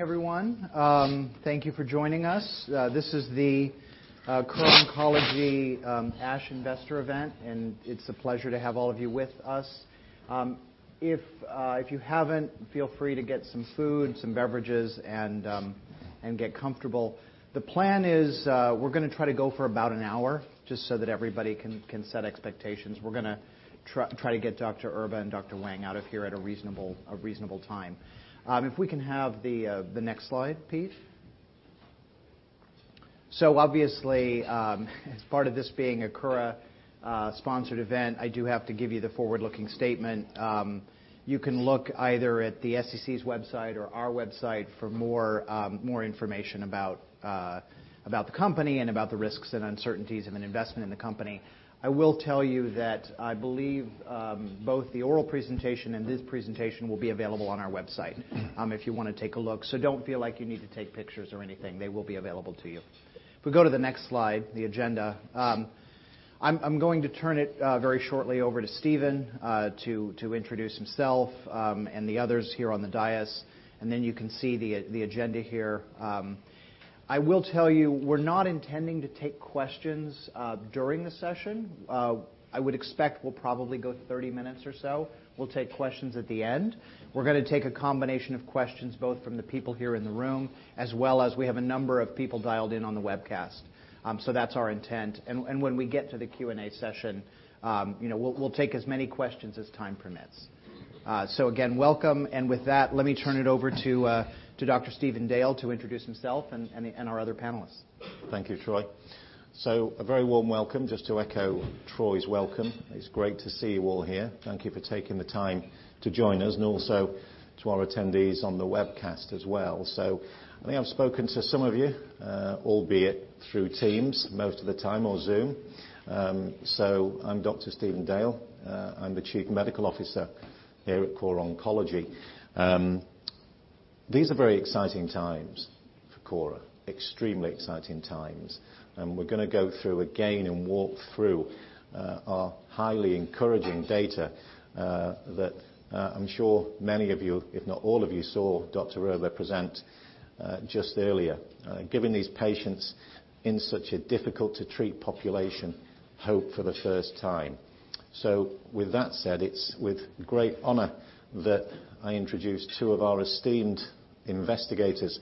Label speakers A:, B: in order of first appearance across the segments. A: Good morning, everyone. Thank you for joining us. This is the Kura Oncology ASH investor event, and it's a pleasure to have all of you with us. If you haven't, feel free to get some food, some beverages, and get comfortable. The plan is we're gonna try to go for about an hour, just so that everybody can set expectations. We're gonna try to get Dr. Erba and Dr. Wang out of here at a reasonable time. If we can have the next slide, please. Obviously, as part of this being a Kura sponsored event, I do have to give you the forward-looking statement. You can look either at the SEC's website or our website for more information about the company and about the risks and uncertainties of an investment in the company. I will tell you that I believe both the oral presentation and this presentation will be available on our website if you wanna take a look, so don't feel like you need to take pictures or anything. They will be available to you. If we go to the next slide, the agenda. I'm going to turn it very shortly over to Stephen to introduce himself and the others here on the dais, and then you can see the agenda here. I will tell you, we're not intending to take questions during the session. I would expect we'll probably go 30 minutes or so. We'll take questions at the end. We're gonna take a combination of questions both from the people here in the room, as well as we have a number of people dialed in on the webcast. That's our intent. When we get to the Q&A session, you know, we'll take as many questions as time permits. Again, welcome. With that, let me turn it over to Dr. Stephen Dale to introduce himself and our other panelists.
B: Thank you, Troy. A very warm welcome, just to echo Troy's welcome. It's great to see you all here. Thank you for taking the time to join us, and also to our attendees on the webcast as well. I think I've spoken to some of you, albeit through Teams most of the time, or Zoom. I'm Dr. Stephen Dale. I'm the Chief Medical Officer here at Kura Oncology. These are very exciting times for Kura, extremely exciting times. We're gonna go through again and walk through our highly encouraging data that I'm sure many of you, if not all of you, saw Dr. Erba present just earlier, giving these patients in such a difficult-to-treat population hope for the first time. With that said, it's with great honor that I introduce two of our esteemed investigators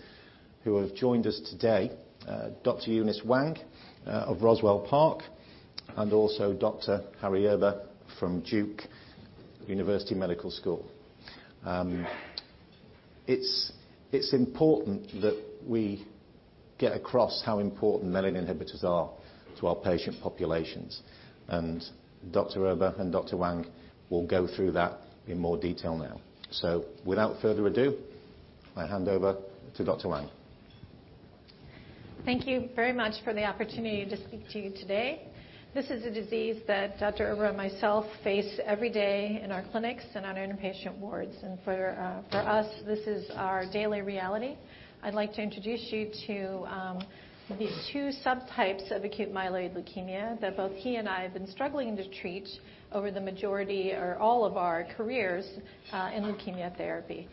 B: who have joined us today, Dr. Eunice Wang of Roswell Park, and also Dr. Harry Erba from Duke University School of Medicine. It's important that we get across how important menin inhibitors are to our patient populations. Dr. Erba and Dr. Wang will go through that in more detail now. Without further ado, I hand over to Dr. Wang.
C: Thank you very much for the opportunity to speak to you today. This is a disease that Dr. Erba and myself face every day in our clinics and on our inpatient wards. For us, this is our daily reality. I'd like to introduce you to the two subtypes of acute myeloid leukemia that both he and I have been struggling to treat over the majority or all of our careers in leukemia therapy.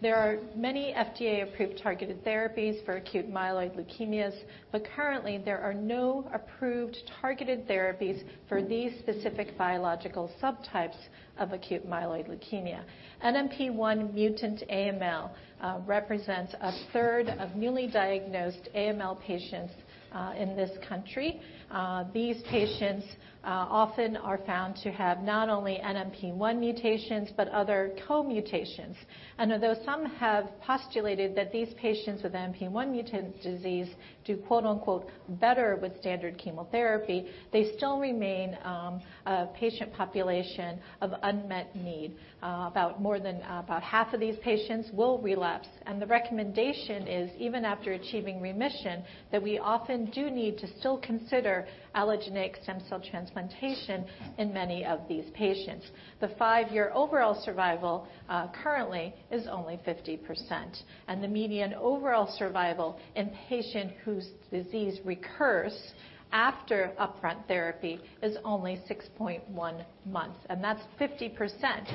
C: There are many FDA-approved targeted therapies for acute myeloid leukemias, but currently, there are no approved targeted therapies for these specific biological subtypes of acute myeloid leukemia. An NPM1 mutant AML represents a third of newly diagnosed AML patients in this country. These patients often are found to have not only NPM1 mutations but other co-mutations. Although some have postulated that these patients with NPM1 mutant disease do "better with standard chemotherapy," they still remain a patient population of unmet need. About more than about 1/2 of these patients will relapse, and the recommendation is, even after achieving remission, that we often do need to still consider allogeneic stem cell transplantation in many of these patients. The five-year overall survival currently is only 50%, and the median overall survival in patient whose disease recurs after upfront therapy is only 6.1 months, and that's 50%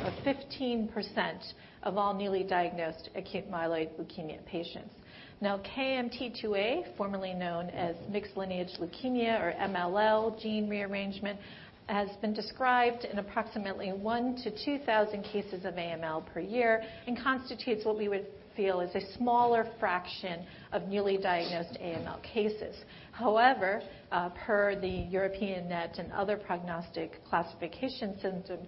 C: of 15% of all newly diagnosed acute myeloid leukemia patients. KMT2A, formerly known as mixed lineage leukemia or MLL gene rearrangement, has been described in approximately 1,000-2,000 cases of AML per year and constitutes what we would feel is a smaller fraction of newly diagnosed AML cases. Per the European LeukemiaNet and other prognostic classification symptoms,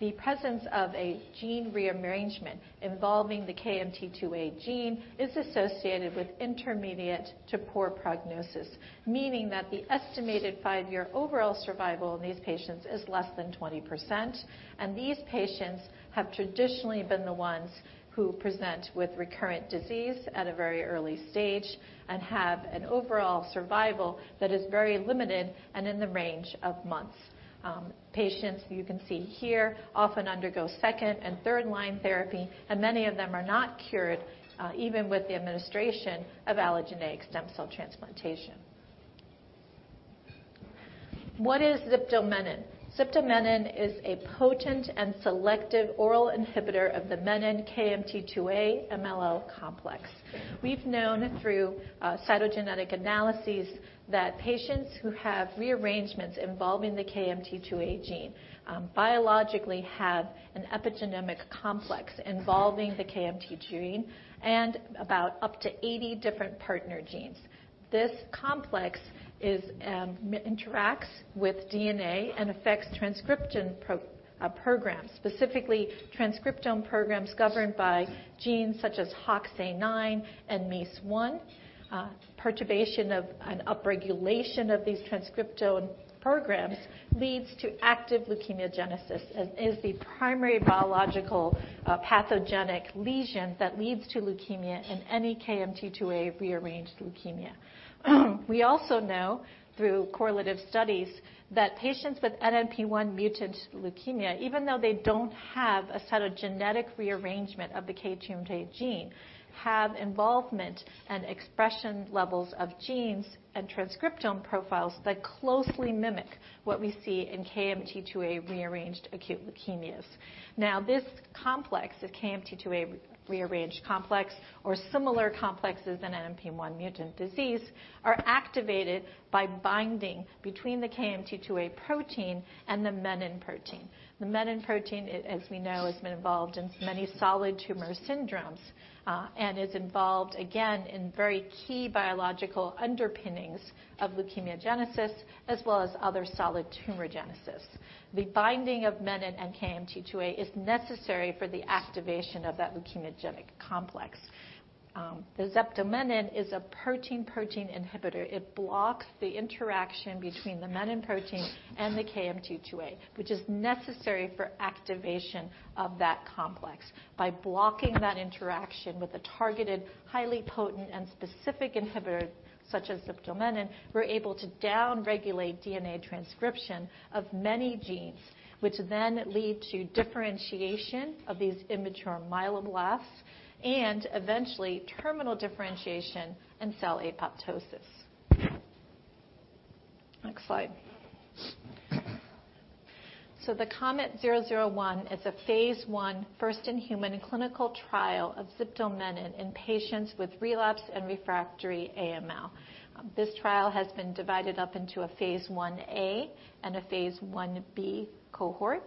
C: the presence of a gene rearrangement involving the KMT2A gene is associated with intermediate to poor prognosis, meaning that the estimated five-year overall survival in these patients is less than 20%. These patients have traditionally been the ones who present with recurrent disease at a very early stage and have an overall survival that is very limited and in the range of months. Patients you can see here often undergo second and third line therapy, and many of them are not cured, even with the administration of allogeneic stem cell transplantation. What is ziftomenib? Ziftomenib is a potent and selective oral inhibitor of the menin KMT2A MLL complex. We've known through cytogenetic analyses that patients who have rearrangements involving the KMT2A gene biologically have an epigenomic complex involving the KMT gene and about up to 80 different partner genes. This complex interacts with DNA and affects transcription programs, specifically transcriptome programs governed by genes such as HOXA9 and MEIS1. Perturbation of an upregulation of these transcriptome programs leads to active leukemogenesis, as is the primary biological pathogenic lesion that leads to leukemia in any KMT2A rearranged leukemia. We also know through correlative studies that patients with NPM1 mutant leukemia, even though they don't have a set of genetic rearrangement of the KMT2A gene, have involvement and expression levels of genes and transcriptome profiles that closely mimic what we see in KMT2A rearranged acute leukemias. This complex, the KMT2A rearranged complex or similar complexes in NPM1 mutant disease, are activated by binding between the KMT2A protein and the menin protein. The menin protein, it, as we know, has been involved in many solid tumor syndromes, and is involved again in very key biological underpinnings of leukemogenesis as well as other solid tumor genesis. The binding of menin and KMT2A is necessary for the activation of that leukemogenic complex. The ziftomenib is a protein-protein inhibitor. It blocks the interaction between the menin protein and the KMT2A, which is necessary for activation of that complex. By blocking that interaction with a targeted, highly potent and specific inhibitor such as ziftomenib, we're able to down-regulate DNA transcription of many genes, which then lead to differentiation of these immature myeloblasts and eventually terminal differentiation and cell apoptosis. Next slide. The KOMET-001 is a first-in-human clinical trial of ziftomenib in patients with relapsed and refractory AML. This trial has been divided up into phase I-A and a phase I-B cohort.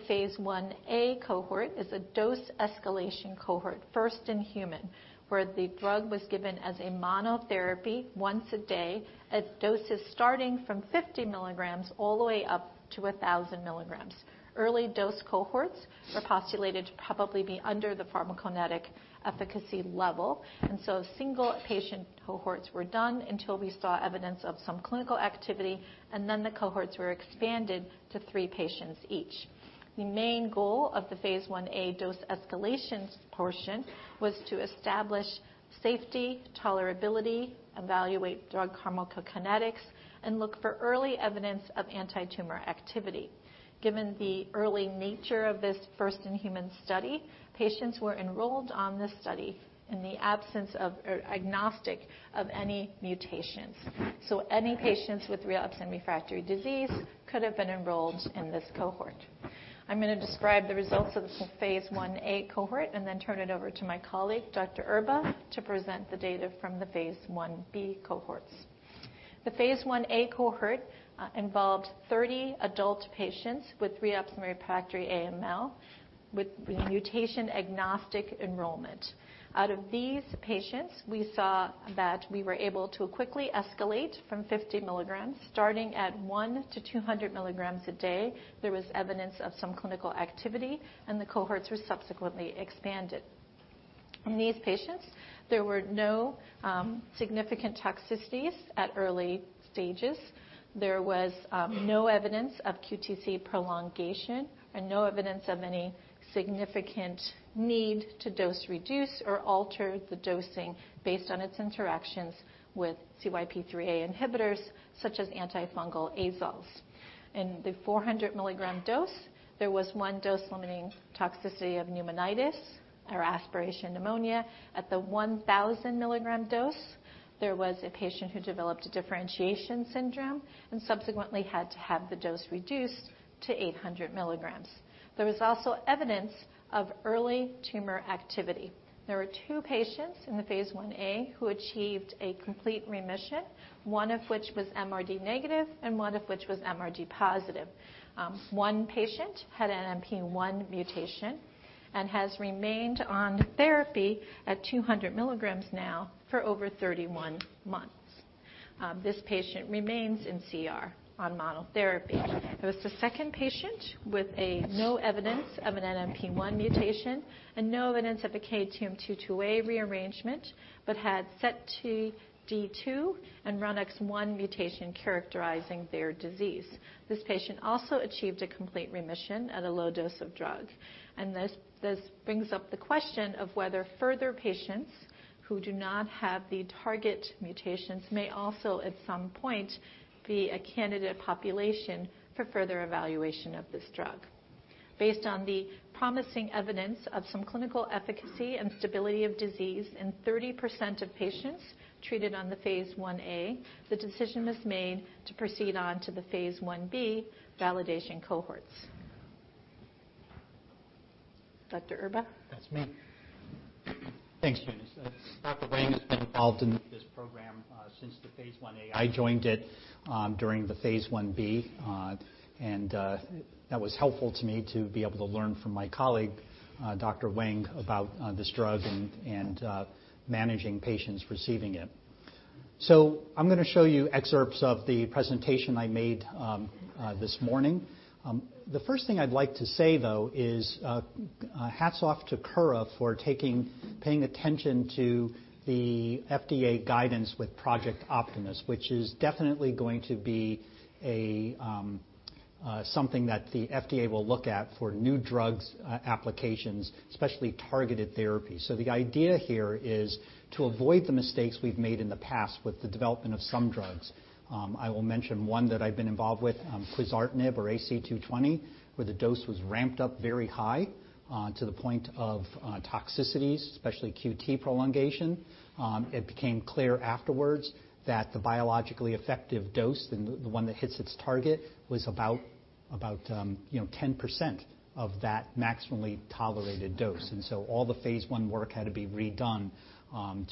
C: Phase I-A cohort is a dose escalation cohort, first-in-human, where the drug was given as a monotherapy once a day at doses starting from 50 mg all the way up to 1,000 mg. Early dose cohorts were postulated to probably be under the pharmacokinetic efficacy level. Single patient cohorts were done until we saw evidence of some clinical activity, and then the cohorts were expanded to three patients each. The main goal of phase I-A dose escalations portion was to establish safety, tolerability, evaluate drug pharmacokinetics, and look for early evidence of antitumor activity. Given the early nature of this first-in-human study, patients were enrolled on this study in the absence of or agnostic of any mutations. Any patients with relapse and refractory disease could have been enrolled in this cohort. I'm gonna describe the results of phase I-A cohort and then turn it over to my colleague, Dr. Erba, to present the data from phase I-B cohorts. Phase I-A cohort involved 30 adult patients with relapse refractory AML with mutation agnostic enrollment. Out of these patients, we saw that we were able to quickly escalate from 50 mg. Starting at 100 mg-200 mg a day, there was evidence of some clinical activity, and the cohorts were subsequently expanded. In these patients, there were no significant toxicities at early stages. There was no evidence of QTC prolongation and no evidence of any significant need to dose reduce or alter the dosing based on its interactions with CYP3A inhibitors, such as antifungal azoles. In the 400-mg dose, there was one dose-limiting toxicity of pneumonitis or aspiration pneumonia. At the 1,000-mg dose, there was a patient who developed a differentiation syndrome and subsequently had to have the dose reduced to 800 mg. There was also evidence of early tumor activity. There were two patients in phase I-A who achieved a complete remission, one of which was MRD negative and one of which was MRD positive. One patient had an NPM1 mutation and has remained on therapy at 200 mg now for over 31 months. This patient remains in CR on monotherapy. There was no evidence of an NPM1 mutation and no evidence of a KMT2A rearrangement, but had SETD2 and RUNX1 mutation characterizing their disease. This patient also achieved a complete remission at a low dose of drug. This brings up the question of whether further patients who do not have the target mutations may also at some point be a candidate population for further evaluation of this drug. Based on the promising evidence of some clinical efficacy and stability of disease in 30% of patients treated on phase I-A, the decision was made to proceed on to phase I-B validation cohorts. Dr. Erba?
D: That's me. Thanks, Eunice. Dr. Wang has been involved in this program since phase I-A. I joined it during phase I-B, and that was helpful to me to be able to learn from my colleague, Dr. Wang, about this drug and managing patients receiving it. I'm gonna show you excerpts of the presentation I made this morning. The first thing I'd like to say, though, is hats off to Kura for paying attention to the FDA guidance with Project Optimus, which is definitely going to be a, something that the FDA will look at for new drugs applications, especially targeted therapy. The idea here is to avoid the mistakes we've made in the past with the development of some drugs. I will mention, one that I've been involved with, Quizartinib or AC220, where the dose was ramped up very high, to the point of toxicities, especially QT prolongation. It became clear afterwards that the biologically effective dose, the one that hits its target, was about, you know, 10% of that maximally tolerated dose. All the phase I work had to be redone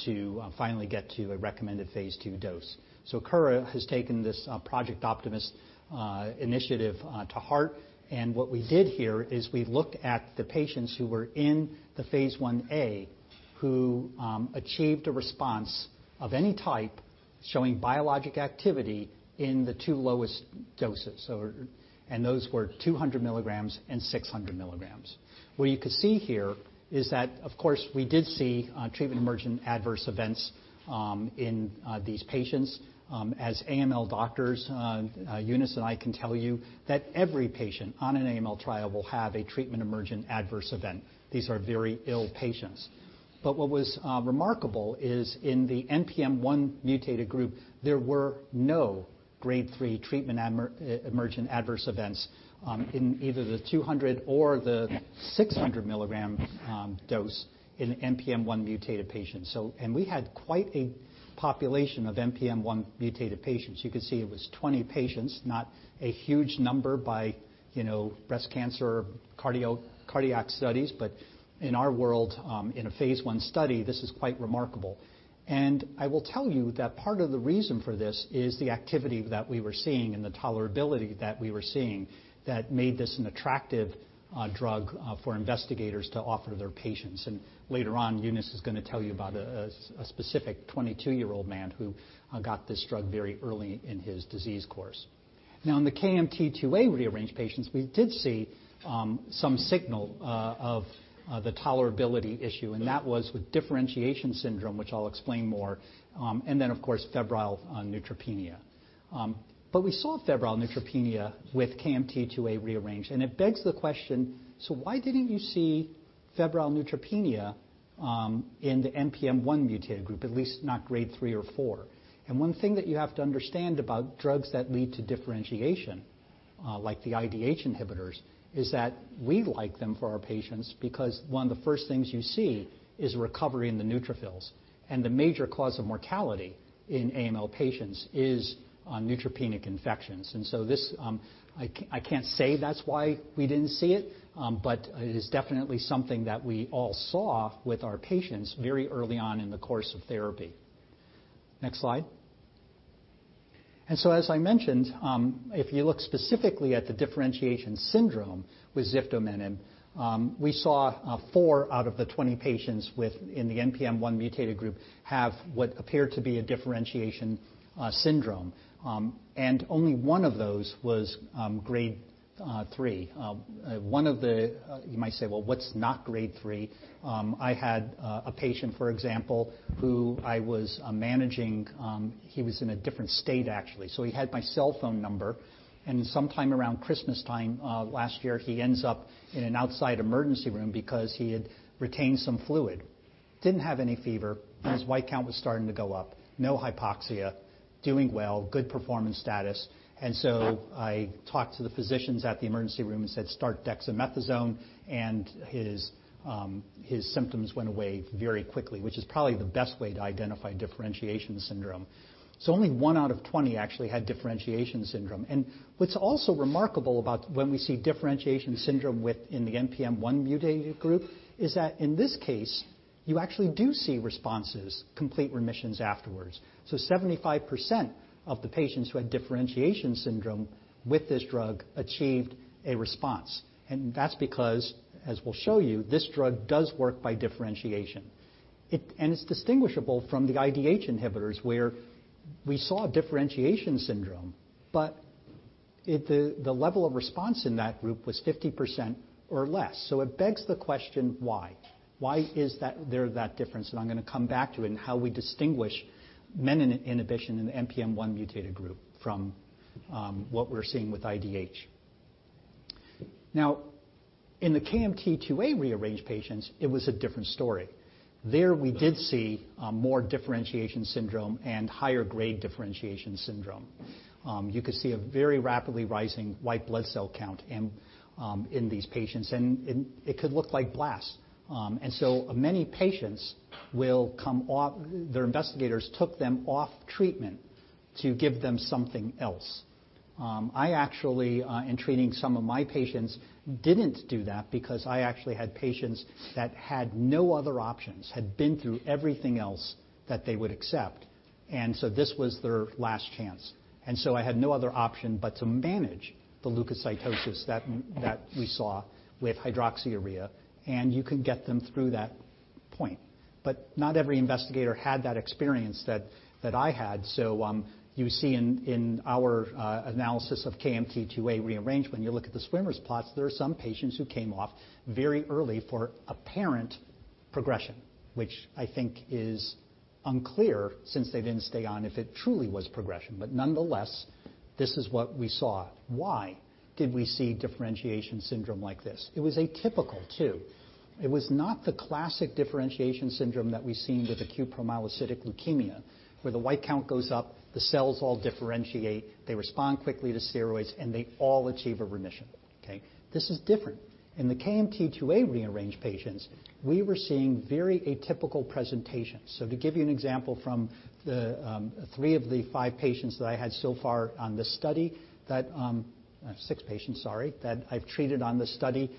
D: to finally get to a recommended phase II dose. Kura has taken this Project Optimus initiative to heart, and what we did here is we looked at the patients who were in phase I-A, who achieved a response of any type showing biologic activity in the two lowest doses. Those were 200 mg and 600 mg. What you can see here is that, of course, we did see treatment-emergent adverse events in these patients. As AML doctors, Eunice and I can tell you that every patient on an AML trial will have a treatment emergent adverse event. These are very ill patients. But what was remarkable is in the NPM1 mutated group, there were no grade 3 treatment emergent adverse events in either the 200 or the 600 milligram dose in NPM1 mutated patients. We had quite a population of NPM1 mutated patients. You could see it was 20 patients, not a huge number by, you know, breast cancer cardiac studies. But in our world, in a phase I study, this is quite remarkable. I will tell you that part of the reason for this is the activity that we were seeing and the tolerability that we were seeing that made this an attractive drug for investigators to offer their patients. Later on, Eunice is gonna tell you about a specific 22-year-old man who got this drug very early in his disease course. In the KMT2A rearranged patients, we did see some signal of the tolerability issue, and that was with differentiation syndrome, which I'll explain more, and then, of course, febrile neutropenia. We saw febrile neutropenia with KMT2A rearranged, and it begs the question, why didn't you see febrile neutropenia in the NPM1 mutated group, at least not grade 3 or 4? One thing that you have to understand about drugs that lead to differentiation, like the IDH inhibitors, is that we like them for our patients because one of the first things you see is recovery in the neutrophils. The major cause of mortality in AML patients is neutropenic infections. This, I can't say that's why we didn't see it, but it is definitely something that we all saw with our patients very early on in the course of therapy. Next slide. As I mentioned, if you look specifically at the differentiation syndrome with ziftomenib, we saw four out of the 20 patients in the NPM1 mutated group have what appeared to be a differentiation syndrome. Only one of those was grade 3. You might say, "Well, what's not grade 3?" I had a patient, for example, who I was managing. He was in a different state, actually. He had my cell phone number, and sometime around Christmas time, last year, he ends up in an outside emergency room because he had retained some fluid. Didn't have any fever. His white count was starting to go up, no hypoxia, doing well, good performance status. I talked to the physicians at the emergency room and said, "Start dexamethasone," and his symptoms went away very quickly, which is probably the best way to identify differentiation syndrome. Only one out of 20 actually had differentiation syndrome. What's also remarkable about when we see differentiation syndrome in the NPM1 mutated group is that in this case, you actually do see responses, complete remissions afterwards. 75% of the patients who had differentiation syndrome with this drug achieved a response. That's because, as we'll show you, this drug does work by differentiation. It's distinguishable from the IDH inhibitors, where we saw differentiation syndrome, but the level of response in that group was 50% or less. It begs the question, why? Why is that there, that difference? I'm gonna come back to it in how we distinguish menin inhibition in the NPM1 mutated group from what we're seeing with IDH. Now, in the KMT2A rearranged patients, it was a different story. There we did see more differentiation syndrome and higher grade differentiation syndrome. You could see a very rapidly rising white blood cell count in these patients, and it could look like blasts. Many patients will come off. Their investigators took them off treatment to give them something else. I actually, in treating some of my patients, didn't do that because I actually had patients that had no other options, had been through everything else that they would accept. This was their last chance. I had no other option but to manage the leukocytosis that we saw with hydroxyurea, and you can get them through that point. Not every investigator had that experience that I had. You see in our analysis of KMT2A rearrangement, you look at the swimmer's plots, there are some patients who came off very early for apparent progression. Which I think is unclear since they didn't stay on if it truly was progression. Nonetheless, this is what we saw. Why did we see differentiation syndrome like this? It was atypical, too. It was not the classic differentiation syndrome that we've seen with acute promyelocytic leukemia, where the white count goes up, the cells all differentiate, they respond quickly to steroids, and they all achieve a remission, okay. This is different. In the KMT2A rearranged patients, we were seeing very atypical presentations. To give you an example from the, three of the five patients that I had so far on this study that, six patients, sorry, that I've treated on this study.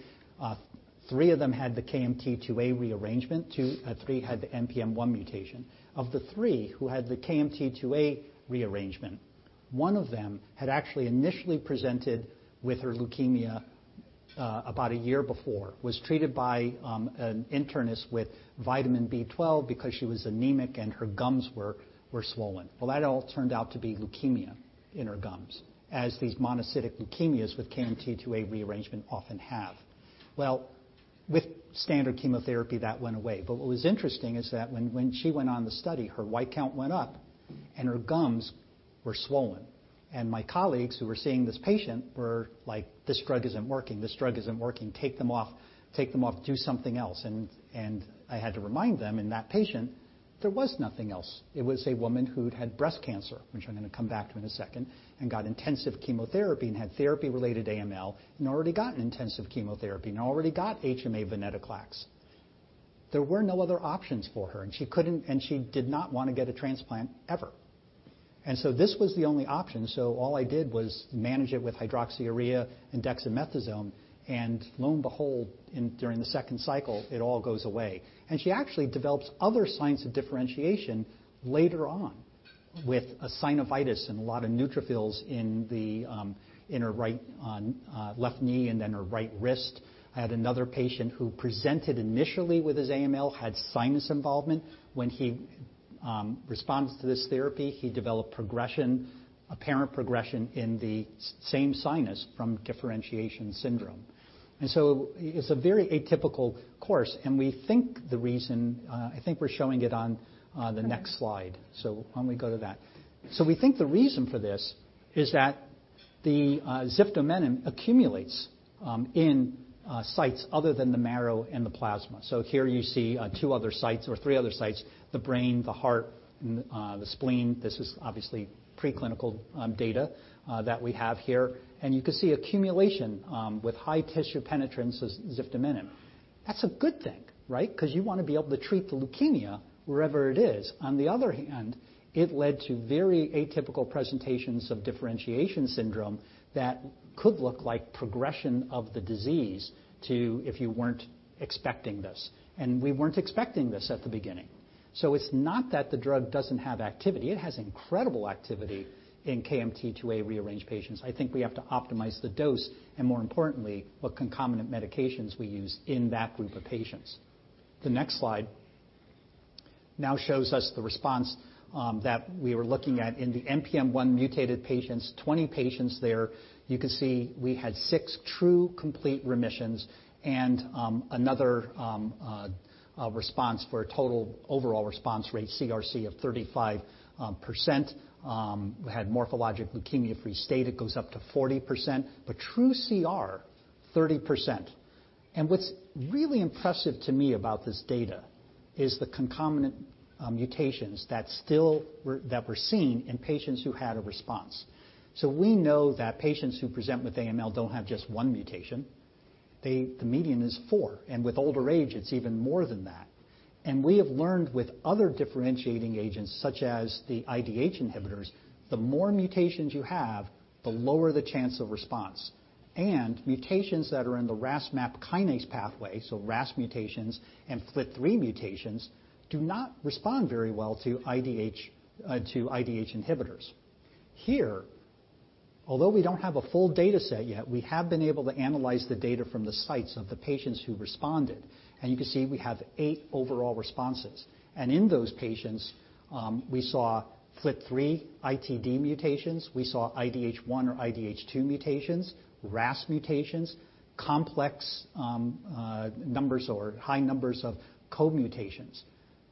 D: Three of them had the KMT2A rearrangement. Three had the NPM1 mutation. Of the three who had the KMT2A rearrangement, one of them had actually initially presented with her leukemia about a year before. Was treated by an internist with vitamin B12 because she was anemic and her gums were swollen. That all turned out to be leukemia in her gums, as these monocytic leukemias with KMT2A rearrangement often have. With standard chemotherapy, that went away. What was interesting is that when she went on the study, her white count went up and her gums were swollen. My colleagues who were seeing this patient were like, "This drug isn't working. Take them off, do something else." I had to remind them, in that patient, there was nothing else. It was a woman who'd had breast cancer, which I'm gonna come back to in a second, and got intensive chemotherapy and had therapy-related AML, and already gotten intensive chemotherapy, and already got HMA venetoclax. There were no other options for her, and she couldn't, and she did not wanna get a transplant ever. This was the only option. All I did was manage it with hydroxyurea and dexamethasone, and lo and behold, during the second cycle, it all goes away. She actually develops other signs of differentiation later on with a sinusitis and a lot of neutrophils in her right on left knee and then her right wrist. I had another patient who presented initially with his AML, had sinus involvement. When he responds to this therapy, he developed progression, apparent progression in the same sinus from differentiation syndrome. It's a very atypical course, and we think the reason I think we're showing it on the next slide. Why don't we go to that? We think the reason for this is that the ziftomenib accumulates in sites other than the marrow and the plasma. Here you see two other sites or three other sites, the brain, the heart, and the spleen. This is obviously preclinical data that we have here. You can see accumulation with high tissue penetrance as ziftomenib. That's a good thing, right? 'Cause you wanna be able to treat the leukemia wherever it is. On the other hand, it led to very atypical presentations of differentiation syndrome that could look like progression of the disease if you weren't expecting this, and we weren't expecting this at the beginning. It's not that the drug doesn't have activity. It has incredible activity in KMT2A rearranged patients. I think we have to optimize the dose and more importantly, what concomitant medications we use in that group of patients. The next slide now shows us the response that we were looking at in the NPM1 mutated patients, 20 patients there. You can see we had six true complete remissions and another a response for a total overall response rate CRC of 35%. We had morphologic leukemia-free state, it goes up to 40%. True CR, 30%. What's really impressive to me about this data is the concomitant mutations that were seen in patients who had a response. We know that patients who present with AML don't have just one mutation. The median is four, with older age, it's even more than that. We have learned with other differentiating agents, such as the IDH inhibitors, the more mutations you have, the lower the chance of response. Mutations that are in the Ras-MAP kinase pathway, Ras mutations and FLT3 mutations, do not respond very well to IDH inhibitors. Here, although we don't have a full data set yet, we have been able to analyze the data from the sites of the patients who responded. You can see we have eight overall responses. In those patients, we saw FLT3 ITD mutations. We saw IDH1 or IDH2 mutations, Ras mutations, complex numbers or high numbers of co-mutations.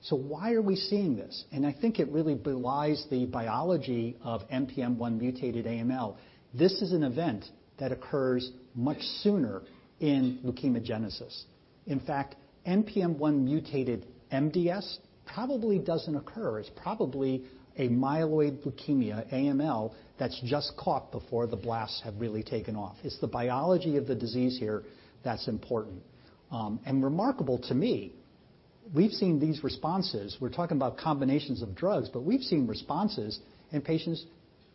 D: Why are we seeing this? I think it really belies the biology of NPM1-mutated AML. This is an event that occurs much sooner in leukemogenesis. In fact, NPM1-mutated MDS probably doesn't occur. It's probably a myeloid leukemia, AML, that's just caught before the blasts have really taken off. It's the biology of the disease here that's important. Remarkable to me, we've seen these responses. We're talking about combinations of drugs, but we've seen responses in patients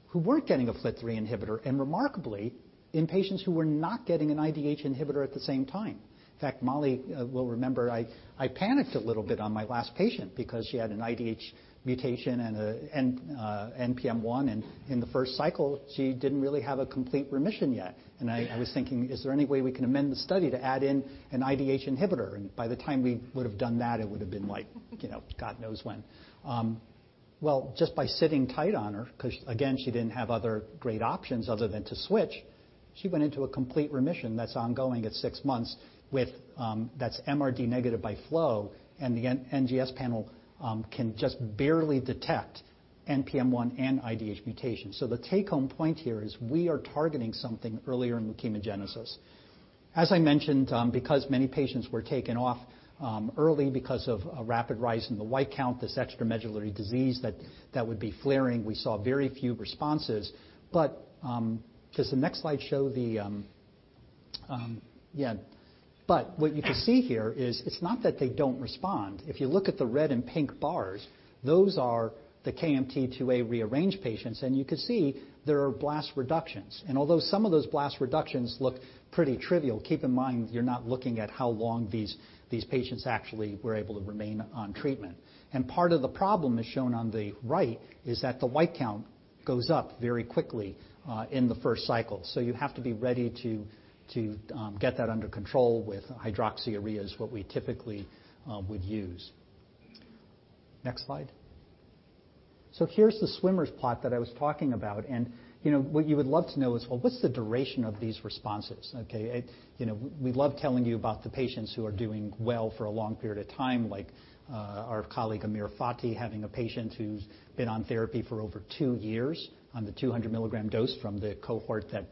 D: who weren't getting a FLT3 inhibitor, and remarkably, in patients who were not getting an IDH inhibitor at the same time. In fact, Mollie will remember, I panicked a little bit on my last patient because she had an IDH mutation and an NPM1, and in the first cycle, she didn't really have a complete remission yet. I was thinking, "Is there any way we can amend the study to add in an IDH inhibitor?" By the time we would have done that, it would have been like, you know, God knows when. Well, just by sitting tight on her, 'cause again, she didn't have other great options other than to switch, she went into a complete remission that's ongoing at six months with, that's MRD negative by flow, and the NGS panel can just barely detect NPM1 and IDH mutations. The take-home point here is we are targeting something earlier in leukemogenesis. As I mentioned, because many patients were taken off early because of a rapid rise in the white count, this extramedullary disease that would be flaring, we saw very few responses. Does the next slide show the... Yeah. What you can see here is it's not that they don't respond. If you look at the red and pink bars, those are the KMT2A rearranged patients, and you can see there are blast reductions. Although some of those blast reductions look pretty trivial, keep in mind you're not looking at how long these patients actually were able to remain on treatment. Part of the problem is shown on the right, is that the white count goes up very quickly in the first cycle. You have to be ready to get that under control with hydroxyurea, is what we typically would use. Next slide. Here's the swimmer's plot that I was talking about. You know, what you would love to know is, well, what's the duration of these responses, okay? You know, we love telling you about the patients who are doing well for a long period of time, like, our colleague, Amir Fathi, having a patient who's been on therapy for over two years on the 200-mg dose from the cohort that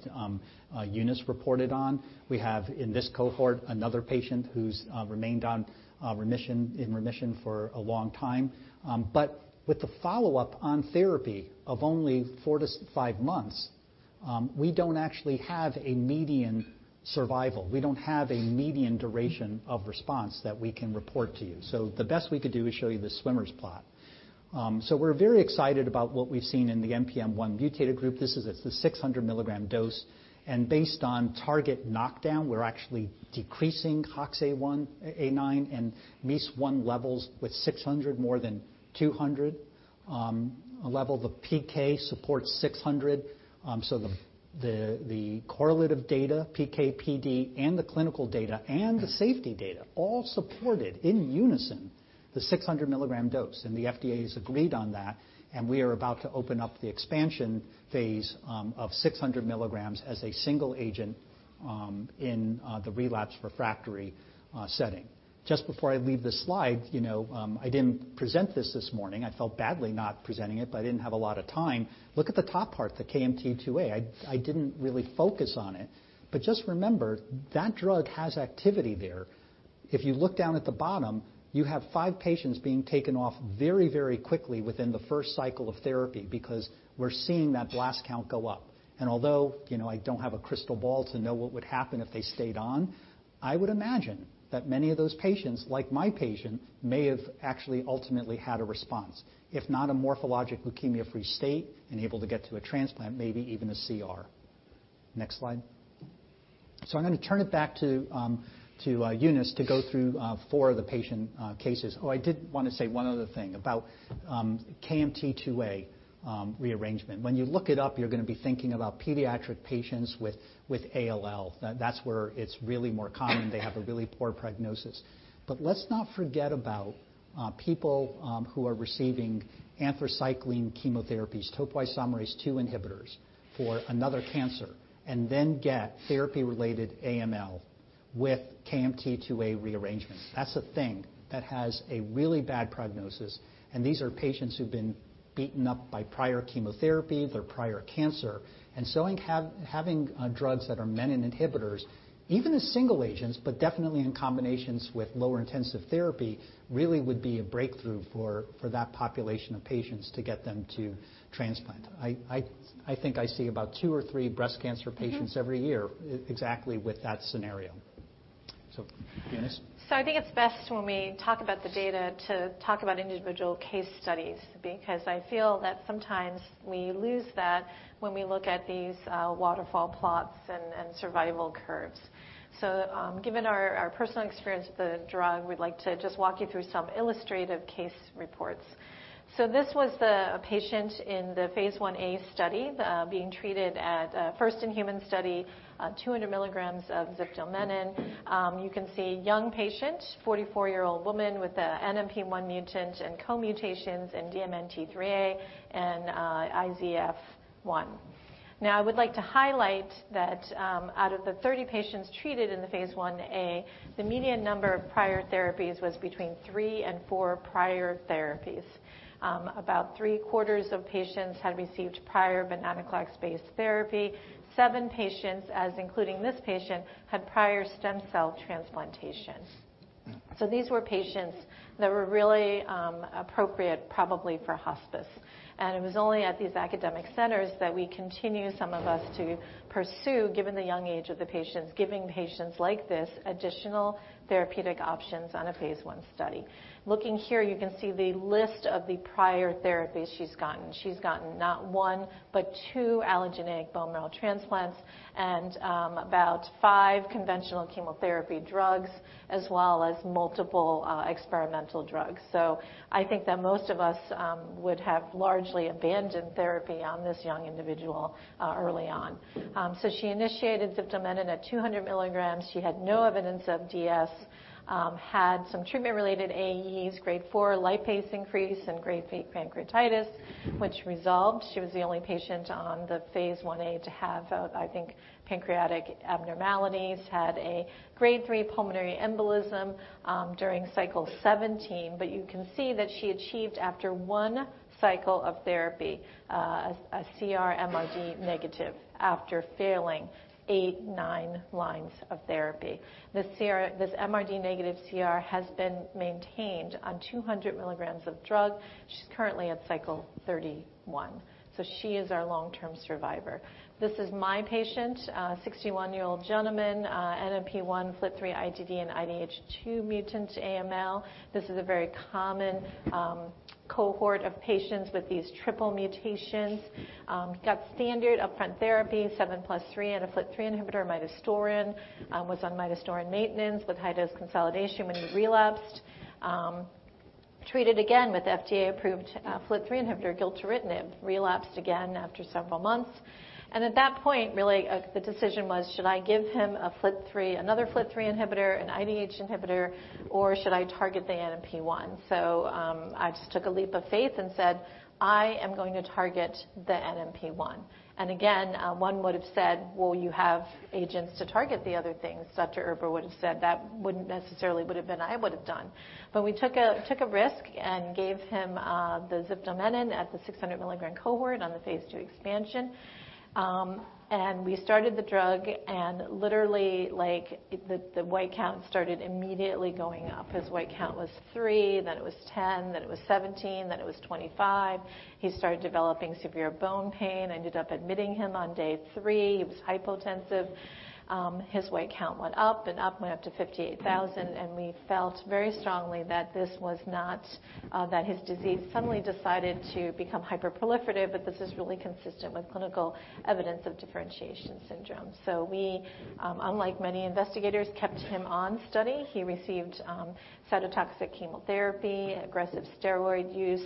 D: Eunice reported on. We have in this cohort another patient who's remained in remission for a long time. With the follow-up on therapy of only four to five months, we don't actually have a median survival. We don't have a median duration of response that we can report to you. The best we could do is show you the swimmer's plot. We're very excited about what we've seen in the NPM1-mutated group. This is at the 600-mg dose. Based on target knockdown, we're actually decreasing HOXA1... HOXA9 and MEIS1 levels with 600 more than 200. A level of PK supports 600. The correlative data, PK/PD, and the clinical data and the safety data all supported in unison the 600-mg dose. The FDA has agreed on that, and we are about to open up the expansion phase of 600 mg as a single agent in the relapse refractory setting. Just before I leave this slide, you know, I didn't present this this morning. I felt badly not presenting it, but I didn't have a lot of time. Look at the top part, the KMT2A. I didn't really focus on it, but just remember, that drug has activity there. If you look down at the bottom, you have five patients being taken off very, very quickly within the first cycle of therapy because we're seeing that blast count go up. Although, you know, I don't have a crystal ball to know what would happen if they stayed on, I would imagine that many of those patients, like my patient, may have actually ultimately had a response. If not a morphologic leukemia-free state and able to get to a transplant, maybe even a CR. Next slide. I'm gonna turn it back to Eunice to go through four of the patient cases. Oh, I did wanna say one other thing about KMT2A rearrangement. When you look it up, you're gonna be thinking about pediatric patients with ALL. That's where it's really more common. They have a really poor prognosis. Let's not forget about people who are receiving anthracycline chemotherapies, topoisomerase II inhibitors for another cancer and then get therapy-related AML with KMT2A rearrangement. That's a thing that has a really bad prognosis, and these are patients who've been beaten up by prior chemotherapy, their prior cancer. In having drugs that are menin inhibitors, even as single agents, but definitely in combinations with lower intensive therapy, really would be a breakthrough for that population of patients to get them to transplant. I think I see about two or three breast cancer patients every year exactly with that scenario. Eunice.
C: I think it's best when we talk about the data to talk about individual case studies because I feel that sometimes we lose that when we look at these waterfall plots and survival curves. Given our personal experience with the drug, we'd like to just walk you through some illustrative case reports. This was the patient in the phase I-A study, being treated at a first-in-human study, 200 mg of Ziftomenib. You can see young patient, 44-year-old woman with a NPM1 mutant and co-mutations in DNMT3A and IZF1. Now, I would like to highlight that, out of the 30 patients treated in phase I-A, the median number of prior therapies was between three and four prior therapies. About 3/4 of patients had received prior venetoclax-based therapy. Seven patients, as including this patient, had prior stem cell transplantation. These were patients that were really appropriate probably for hospice, and it was only at these academic centers that we continue, some of us, to pursue, given the young age of the patients, giving patients like this additional therapeutic options on a phase I study. Looking here, you can see the list of the prior therapies she's gotten. She's gotten not one, but two allogeneic bone marrow transplants and about five conventional chemotherapy drugs as well as multiple experimental drugs. I think that most of us would have largely abandoned therapy on this young individual early on. She initiated ziftomenib at 200 mg. She had no evidence of DS. Had some treatment-related AEs, grade 4 lipase increase and grade 8 pancreatitis, which resolved. She was the only patient on phase I-A to have, I think pancreatic abnormalities. Had a grade 3 pulmonary embolism during cycle 17. You can see that she achieved, after one cycle of therapy, a CR MRD negative after failing eight, nine lines of therapy. This MRD negative CR has been maintained on 200 mg of drug. She's currently at cycle 31, so she is our long-term survivor. This is my patient, a 61-year-old gentleman, NPM1 FLT3, ITD, and IDH2 mutant AML. This is a very common cohort of patients with these triple mutations. Got standard upfront therapy, 7+3, and a FLT3 inhibitor, midostaurin. Was on midostaurin maintenance with high dose consolidation when he relapsed. Treated again with FDA-approved FLT3 inhibitor, gilteritinib. Relapsed again after several months. At that point, really, the decision was: should I give him a FLT3 inhibitor, an IDH inhibitor, or should I target the NPM1? I just took a leap of faith and said, "I am going to target the NPM1." Again, one would have said, "Well, you have agents to target the other things." Dr. Erba would have said that wouldn't necessarily would have been I would have done. We took a risk and gave him the ziftomenib at the 600 mg cohort on the phase II expansion. We started the drug, and literally, like, the white count started immediately going up. His white count was three, then it was 10, then it was 17, then it was 25. He started developing severe bone pain. I ended up admitting him on day three. He was hypotensive. His white count went up and up, went up to 58,000, we felt very strongly that this was not that his disease suddenly decided to become hyperproliferative, but this is really consistent with clinical evidence of differentiation syndrome. We, unlike many investigators, kept him on study. He received cytotoxic chemotherapy, aggressive steroid use,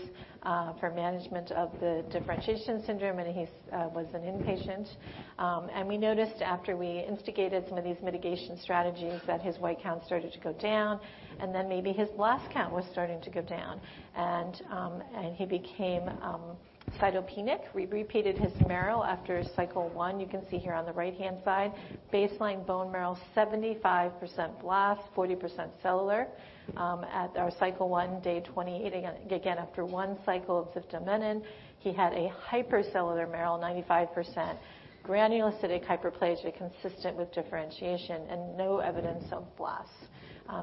C: for management of the differentiation syndrome, he was an inpatient. We noticed after we instigated some of these mitigation strategies that his white count started to go down, then maybe his last count was starting to go down, he became cytopenic. We repeated his marrow after cycle 1. You can see here on the right-hand side, baseline bone marrow, 75% blast, 40% cellular. At our cycle 1, day 28, again, after one cycle of ziftomenib, he had a hypercellular marrow, 95% granulocytic hyperplasia consistent with differentiation and no evidence of blast.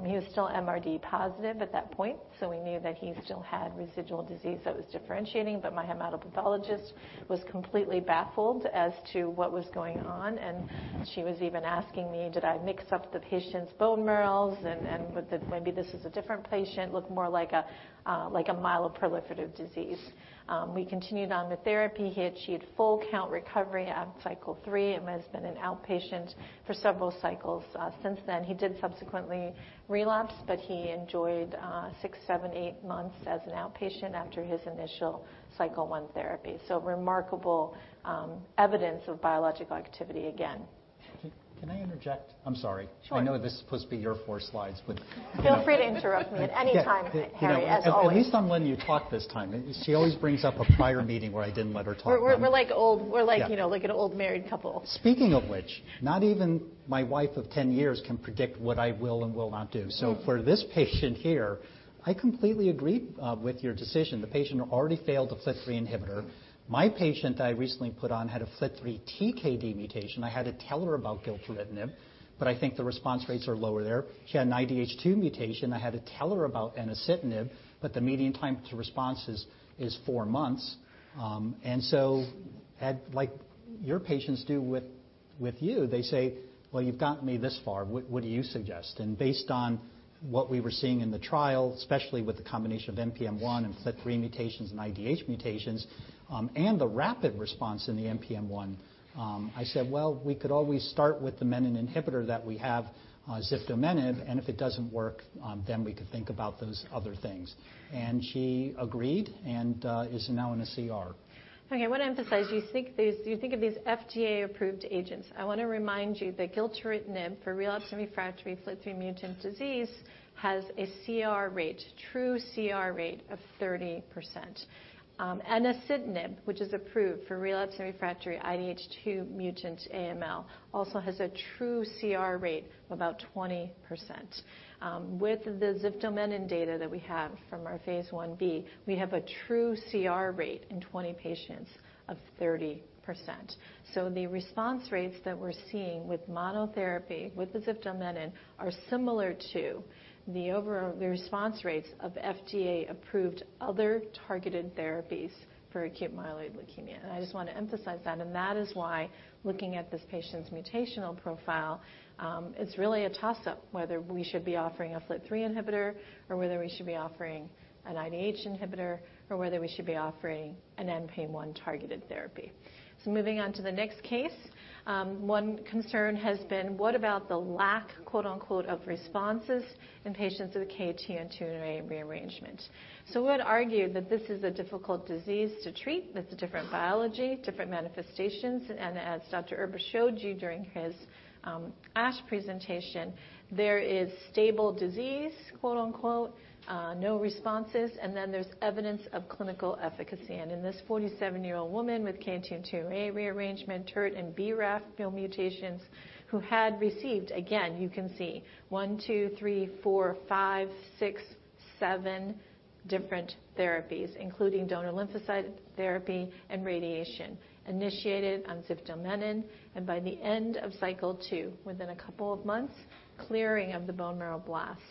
C: He was still MRD positive at that point, we knew that he still had residual disease that was differentiating, but my hematopathologist was completely baffled as to what was going on, and she was even asking me, did I mix up the patient's bone marrows and maybe this is a different patient, looked more like a myeloproliferative disease. We continued on the therapy. He achieved full count recovery at cycle 3 and has been an outpatient for several cycles since then. He did subsequently relapse, but he enjoyed six, seven, eight months as an outpatient after his initial cycle 1 therapy. Remarkable evidence of biological activity again.
D: Can I interject? I'm sorry.
C: Sure.
D: I know this is supposed to be your four slides, but...
C: Feel free to interrupt me at any time, Harry, as always.
D: At least I'm letting you talk this time. She always brings up a prior meeting where I didn't let her talk.
C: We're like old-
D: Yeah....
C: you know, like an old married couple.
D: Speaking of which, not even my wife of 10 years can predict what I will and will not do.
C: Mm-hmm.
D: For this patient here, I completely agree with your decision. The patient already failed a FLT3 inhibitor. My patient I recently put on had a FLT3 TKD mutation. I had to tell her about gilteritinib, but I think the response rates are lower there. She had an IDH2 mutation. I had to tell her about enasidenib, but the median time to response is four months. Like your patients do with you, they say, "Well, you've gotten me this far. What do you suggest?" Based on what we were seeing in the trial, especially with the combination of NPM1 and FLT3 mutations and IDH mutations, and the rapid response in the NPM1, I said, "Well, we could always start with the menin inhibitor that we have, ziftomenib, and if it doesn't work, then we could think about those other things." She agreed and is now in a CR.
C: I wanna emphasize, you think of these FDA-approved agents. I wanna remind you that gilteritinib for relapsed and refractory FLT3 mutant disease has a true CR rate of 30%. Enasidenib, which is approved for relapsed and refractory IDH2 mutant AML, also has a true CR rate of about 20%. With the ziftomenib data that we have from our phase I-B, we have a true CR rate in 20 patients of 30%. The response rates that we're seeing with monotherapy with the ziftomenib are similar to the response rates of FDA-approved other targeted therapies for acute myeloid leukemia. I just want to emphasize that, and that is why looking at this patient's mutational profile, it's really a toss-up whether we should be offering a FLT3 inhibitor or whether we should be offering an IDH inhibitor or whether we should be offering an NPM1 targeted therapy. Moving on to the next case, one concern has been what about the lack "of responses" in patients with KMT2A rearrangements? I would argue that this is a difficult disease to treat with a different biology, different manifestations. As Dr. Erba showed you during his ASH presentation, there is stable disease "no responses" and then there's evidence of clinical efficacy. In this 47-year-old woman with KMT2A rearrangement, TERT and BRAF mutations, who had received, again, you can see one, two, three, four, five, six, seven different therapies, including donor lymphocyte therapy and radiation, initiated on ziftomenib. By the end of cycle 2, within a couple of months, clearing of the bone marrow blasts.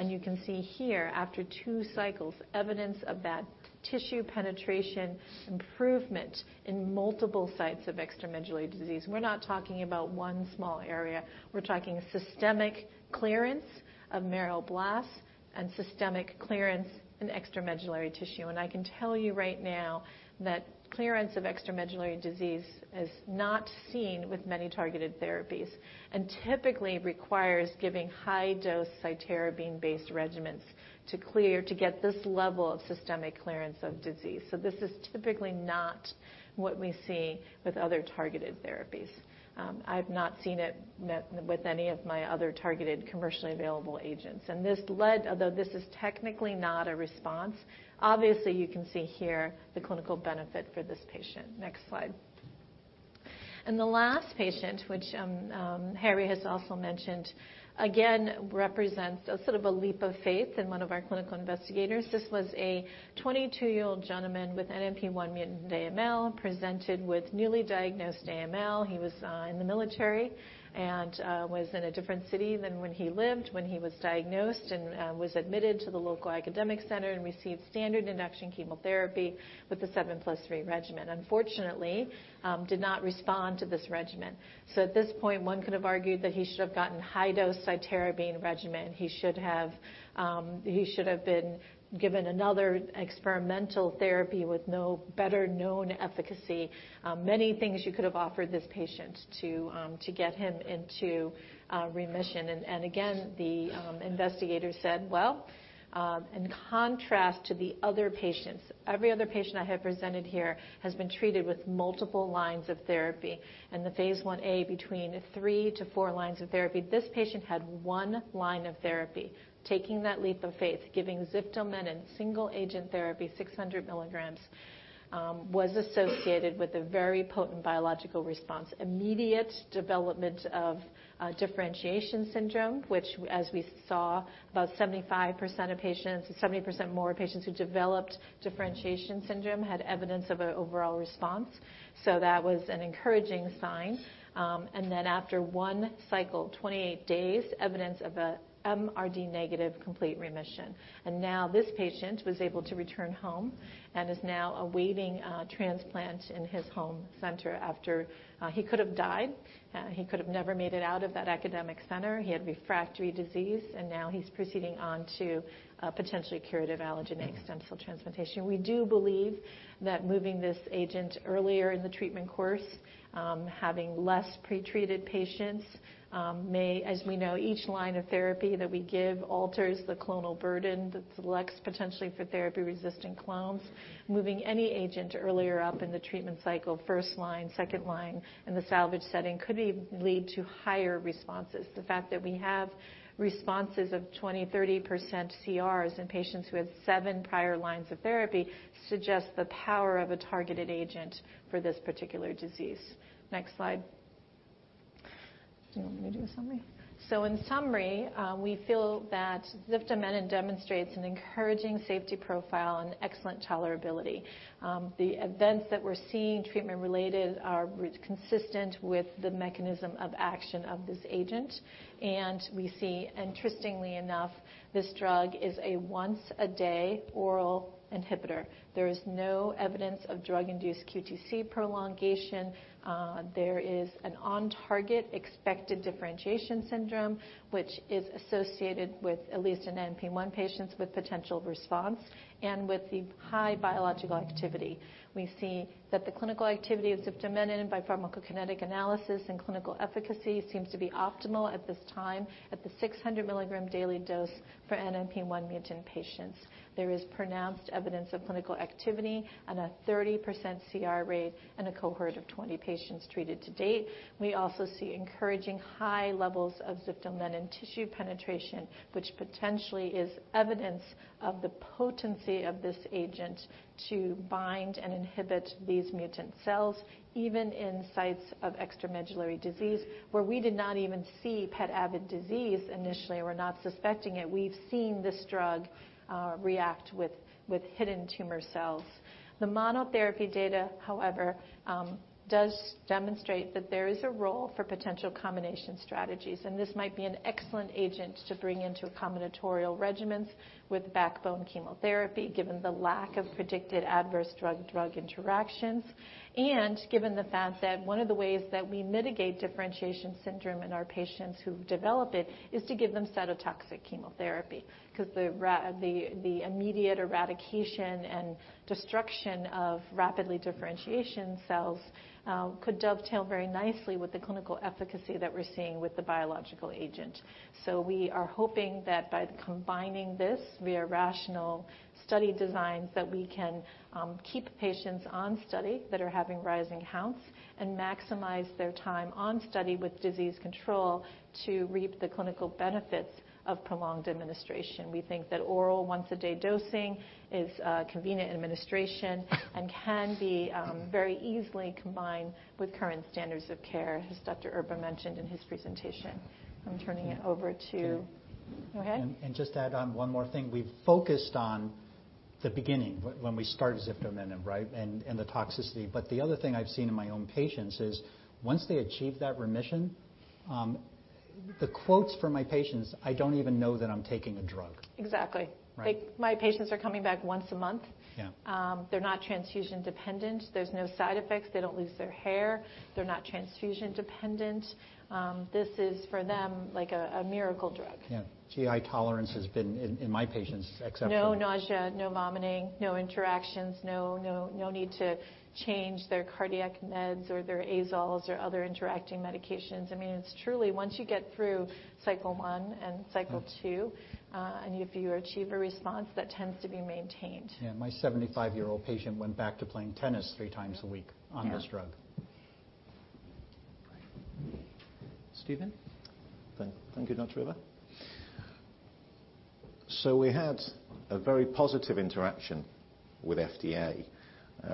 C: You can see here after two cycles, evidence of that tissue penetration improvement in multiple sites of extramedullary disease. We're not talking about one small area. We're talking systemic clearance of marrow blasts and systemic clearance in extramedullary tissue. I can tell you right now that clearance of extramedullary disease is not seen with many targeted therapies and typically requires giving high-dose cytarabine-based regimens to get this level of systemic clearance of disease. This is typically not what we see with other targeted therapies. I've not seen it with any of my other targeted commercially available agents. This led, although this is technically not a response, obviously, you can see here the clinical benefit for this patient. Next slide. The last patient, which Harry has also mentioned, again, represents a sort of a leap of faith in one of our clinical investigators. This was a 22-year-old gentleman with NPM1 mutant AML, presented with newly diagnosed AML. He was in the military and was in a different city than when he lived, when he was diagnosed and was admitted to the local academic center and received standard induction chemotherapy with a 7+3 regimen. Unfortunately, did not respond to this regimen. At this point, one could have argued that he should have gotten high-dose cytarabine regimen. He should have, he should have been given another experimental therapy with no better known efficacy. Many things you could have offered this patient to get him into remission. Again, the investigator said, "Well, in contrast to the other patients, every other patient I have presented here has been treated with multiple lines of therapy" in phase I-A, between three to four lines of therapy. This patient had one1 line of therapy. Taking that leap of faith, giving ziftomenib single agent therapy, 600 mg, was associated with a very potent biological response. Immediate development of differentiation syndrome. As we saw, 70% more patients who developed differentiation syndrome had evidence of an overall response. That was an encouraging sign. After one cycle, 28 days, evidence of a MRD negative complete remission. Now this patient was able to return home and is now awaiting a transplant in his home center after he could have died. He could have never made it out of that academic center. He had refractory disease, now he's proceeding on to a potentially curative allogeneic stem cell transplantation. We do believe that moving this agent earlier in the treatment course, having less pre-treated patients, may, as we know, each line of therapy that we give alters the clonal burden that selects potentially for therapy-resistant clones. Moving any agent earlier up in the treatment cycle, first line, second line, in the salvage setting, could lead to higher responses. The fact that we have responses of 20%, 30% CRs in patients who had seven prior lines of therapy suggests the power of a targeted agent for this particular disease. Next slide. Do you want me to do a summary? In summary, we feel that ziftomenib demonstrates an encouraging safety profile and excellent tolerability. The events that we're seeing, treatment-related, are consistent with the mechanism of action of this agent. We see, interestingly enough, this drug is a once-a-day oral inhibitor. There is no evidence of drug-induced QTC prolongation. There is an on-target expected differentiation syndrome, which is associated with at least in NPM1 patients with potential response and with the high biological activity. We see that the clinical activity of ziftomenib by pharmacokinetic analysis and clinical efficacy seems to be optimal at this time at the 600-mg daily dose for NPM1 mutant patients. There is pronounced evidence of clinical activity at a 30% CR rate in a cohort of 20 patients treated to date. We also see encouraging high levels of ziftomenib tissue penetration, which potentially is evidence of the potency of this agent to bind and inhibit these mutant cells, even in sites of extramedullary disease, where we did not even see PET avid disease initially. We're not suspecting it. We've seen this drug react with hidden tumor cells. The monotherapy data, however, does demonstrate that there is a role for potential combination strategies, and this might be an excellent agent to bring into combinatorial regimens with backbone chemotherapy, given the lack of predicted adverse drug-drug interactions. Given the fact that one of the ways that we mitigate differentiation syndrome in our patients who develop it is to give them cytotoxic chemotherapy 'cause the immediate eradication and destruction of rapidly differentiation cells could dovetail very nicely with the clinical efficacy that we're seeing with the biological agent. We are hoping that by combining this via rational study designs, that we can keep patients on study that are having rising counts and maximize their time on study with disease control to reap the clinical benefits of prolonged administration. We think that oral once-a-day dosing is a convenient administration, and can be very easily combined with current standards of care, as Dr. Erba mentioned in his presentation. I'm turning it over to...
D: Can I?
C: Okay.
D: Just add on one more thing. We've focused on the beginning when we start ziftomenib and the toxicity. The other thing I've seen in my own patients is once they achieve that remission, the quotes from my patients, "I don't even know that I'm taking a drug."
C: Exactly.
D: Right.
C: Like, my patients are coming back once a month.
D: Yeah.
C: They're not transfusion dependent. There's no side effects. They don't lose their hair. They're not transfusion dependent. This is, for them, like a miracle drug.
D: Yeah. GI tolerance has been, in my patients, exceptional.
C: No nausea, no vomiting, no interactions. No, no need to change their cardiac meds or their azoles or other interacting medications. I mean, it's truly, once you get through cycle 1 and cycle 2-
D: Mm....
C: if you achieve a response, that tends to be maintained.
D: Yeah. My 75-year-old patient went back to playing tennis three times a week-
C: Yeah....
D: on this drug. Stephen?
B: Thank you, Dr. Erba. We had a very positive interaction with FDA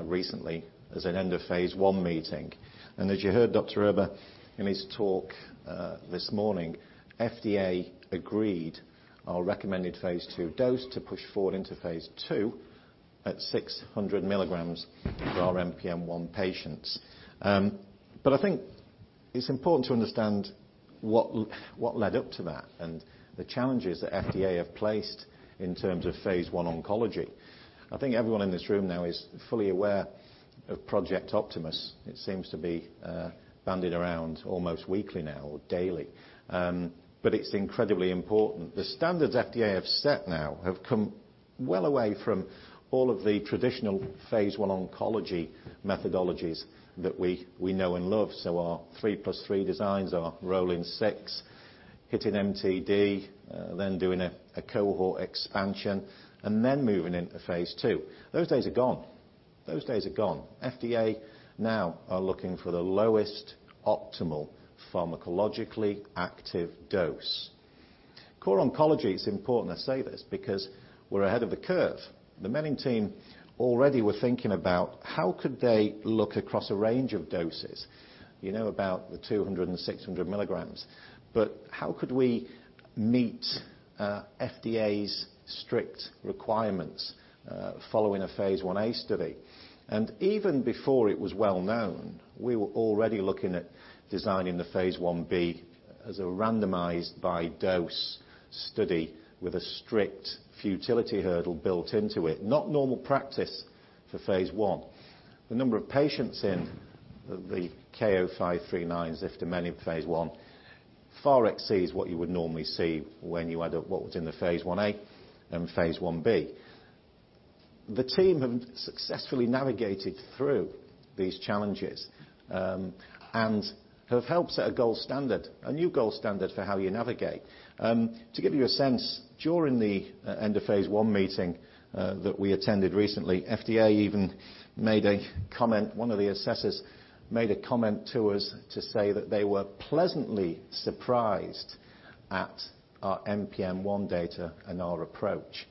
B: recently as an end of phase I meeting. As you heard Dr. Erba in his talk this morning, FDA agreed our recommended phase II dose to push forward into phase II at 600 mg for our NPM1 patients. I think it's important to understand what led up to that and the challenges that FDA have placed in terms of phase I oncology. I think everyone in this room now is fully aware of Project Optimus. It seems to be bandied around almost weekly now or daily. It's incredibly important. The standards FDA have set now have come well away from all of the traditional phase I oncology methodologies that we know and love. Our 3+3 designs, our rolling six, hitting MTD, then doing a cohort expansion, and then moving into phase II. Those days are gone. Those days are gone. FDA now are looking for the lowest optimal pharmacologically active dose. Kura Oncology, it's important I say this, because we're ahead of the curve. The menin team already were thinking about how could they look across a range of doses, you know, about the 200 and 600 mg, but how could we meet FDA's strict requirements following phase I-A study? Even before it was well known, we were already looking at designing the phase I-B as a randomized by dose study with a strict futility hurdle built into it. Not normal practice for phase I. The number of patients in the KO-539 ziftomenib phase I far exceeds what you would normally see when you add up what was in phase I-A and phase I-B. The team have successfully navigated through these challenges, and have helped set a gold standard, a new gold standard for how you navigate. To give you a sense, during the end of phase I meeting, that we attended recently, FDA even made a comment, one of the assessors made a comment to us to say that they were pleasantly surprised at our NPM1 data and our approach.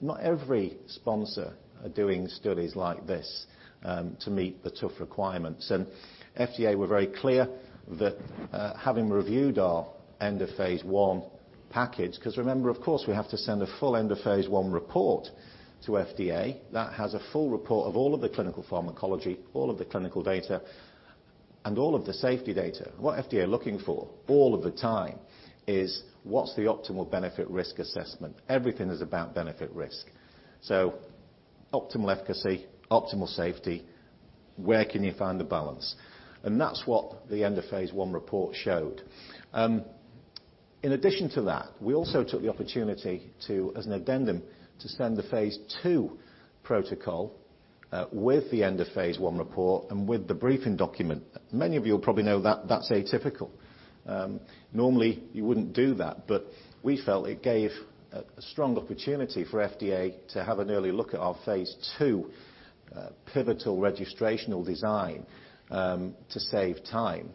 B: Not every sponsor are doing studies like this, to meet the tough requirements. FDA were very clear that, having reviewed our end of phase I package, because remember, of course, we have to send a full end of phase I report to FDA that has a full report of all of the clinical pharmacology, all of the clinical data and all of the safety data. What FDA are looking for all of the time is what's the optimal benefit risk assessment. Everything is about benefit risk. Optimal efficacy, optimal safety, where can you find the balance? That's what the end of phase I report showed. In addition to that, we also took the opportunity to, as an addendum, to send the phase II protocol, with the end of phase I report and with the briefing document. Many of you will probably know that that's atypical. Normally, you wouldn't do that, but we felt it gave a strong opportunity for FDA to have an early look at our phase II pivotal registrational design to save time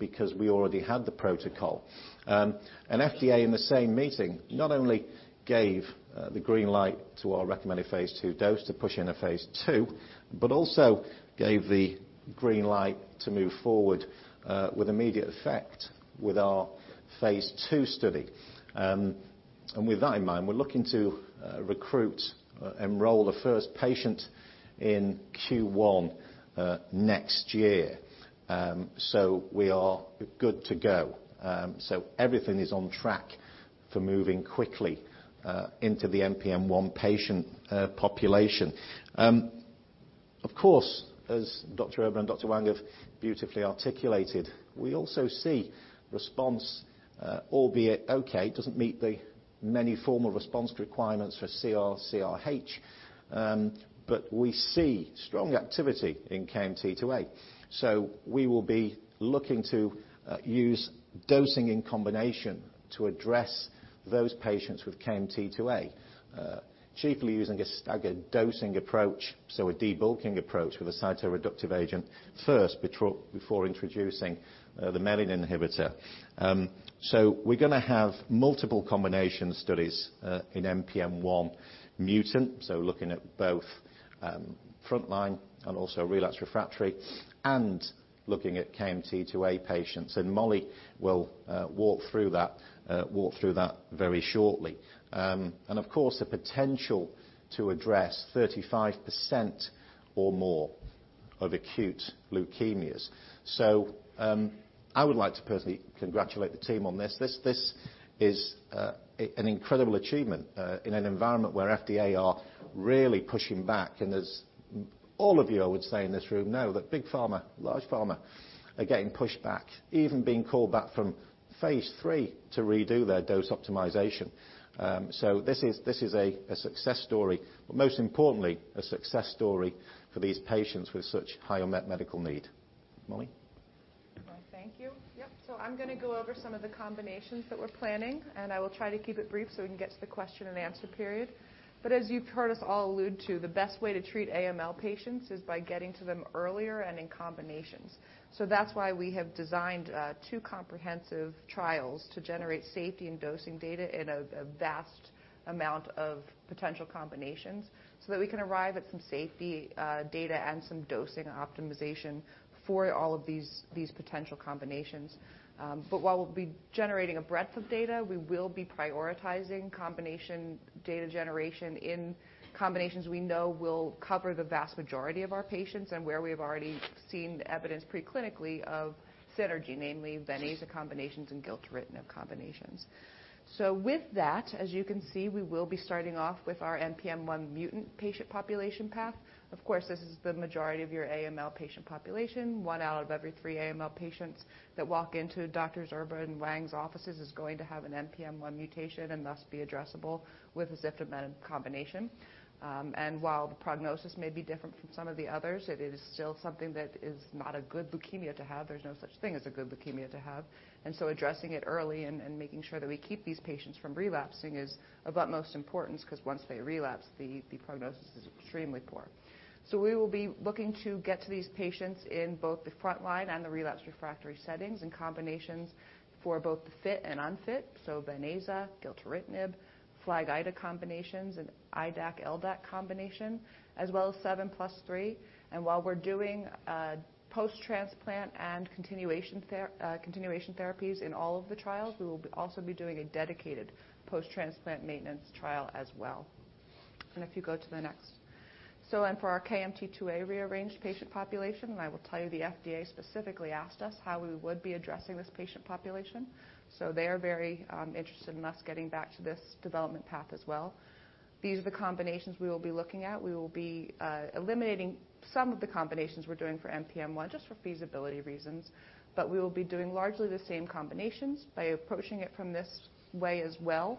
B: because we already had the protocol. FDA in the same meeting not only gave the green light to our recommended phase II dose to push into phase II, but also gave the green light to move forward with immediate effect with our phase II study. With that in mind, we're looking to recruit enroll the first patient in Q1 next year. We are good to go. Everything is on track for moving quickly into the NPM1 patient population. Of course, as Dr. Erba and Dr. Wang have beautifully articulated, we also see response, albeit okay, it doesn't meet the many formal response requirements for CR/CRh, but we see strong activity in KMT2A. We will be looking to use dosing in combination to address those patients with KMT2A, chiefly using a staggered dosing approach, so a debulking approach with a cytoreductive agent first before introducing the menin inhibitor. We're gonna have multiple combination studies in NPM1 mutant, looking at both frontline and also relapse refractory and looking at KMT2A patients. Mollie will walk through that very shortly. Of course, the potential to address 35% or more of acute leukemias. I would like to personally congratulate the team on this. This is an incredible achievement in an environment where FDA are really pushing back. As all of you, I would say in this room know that big pharma, large pharma are getting pushed back, even being called back from phase III to redo their dose optimization. This is a success story, but most importantly, a success story for these patients with such high unmet medical need. Mollie.
E: Well, thank you. Yep. I'm gonna go over some of the combinations that we're planning, and I will try to keep it brief so we can get to the question and answer period. As you've heard us all allude to, the best way to treat AML patients is by getting to them earlier and in combinations. That's why we have designed two comprehensive trials to generate safety and dosing data in a vast amount of potential combinations so that we can arrive at some safety data and some dosing optimization for all of these potential combinations. While we'll be generating a breadth of data, we will be prioritizing combination data generation in combinations we know will cover the vast majority of our patients and where we've already seen the evidence pre-clinically of synergy, namely venetoclax combinations and gilteritinib combinations. With that, as you can see, we will be starting off with our NPM1 mutant patient population path. Of course, this is the majority of your AML patient population. One out of every three AML patients that walk into Dr. Erba and Dr. Wang's offices is going to have an NPM1 mutation and thus be addressable with a ziftomenib combination. While the prognosis may be different from some of the others, it is still something that is not a good leukemia to have. There's no such thing as a good leukemia to have. Addressing it early and making sure that we keep these patients from relapsing is of utmost importance, because once they relapse, the prognosis is extremely poor. We will be looking to get to these patients in both the frontline and the relapse refractory settings and combinations for both the fit and unfit. Venetoclax, gilteritinib, FLAG-Ida combinations, and IDAC/LDAC combination, as well as 7+3. While we're doing post-transplant and continuation therapies in all of the trials, we will also be doing a dedicated post-transplant maintenance trial as well. If you go to the next. For our KMT2A rearranged patient population, and I will tell you, the FDA specifically asked us how we would be addressing this patient population. They are very interested in us getting back to this development path as well. These are the combinations we will be looking at. We will be eliminating some of the combinations we're doing for NPM1 just for feasibility reasons. We will be doing largely the same combinations by approaching it from this way as well.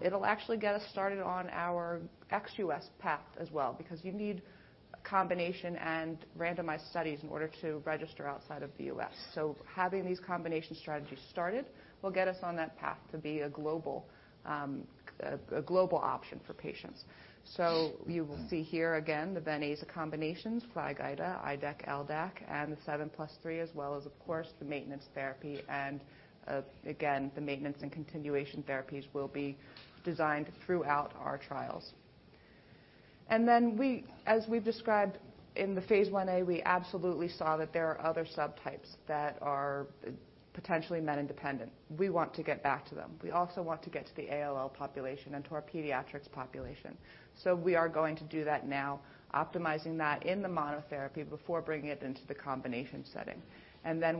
E: It'll actually get us started on our ex-U.S. path as well because you need combination and randomized studies in order to register outside of the U.S. Having these combination strategies started will get us on that path to be a global, a global option for patients. You will see here again the venetoclax combinations, FLAG-Ida, IDAC/LDAC, and the 7+3, as well as, of course, the maintenance therapy. Again, the maintenance and continuation therapies will be designed throughout our trials. As we've described in the phase I-A, we absolutely saw that there are other subtypes that are potentially MET-independent. We want to get back to them. We also want to get to the ALL population and to our pediatrics population. We are going to do that now, optimizing that in the monotherapy before bringing it into the combination setting.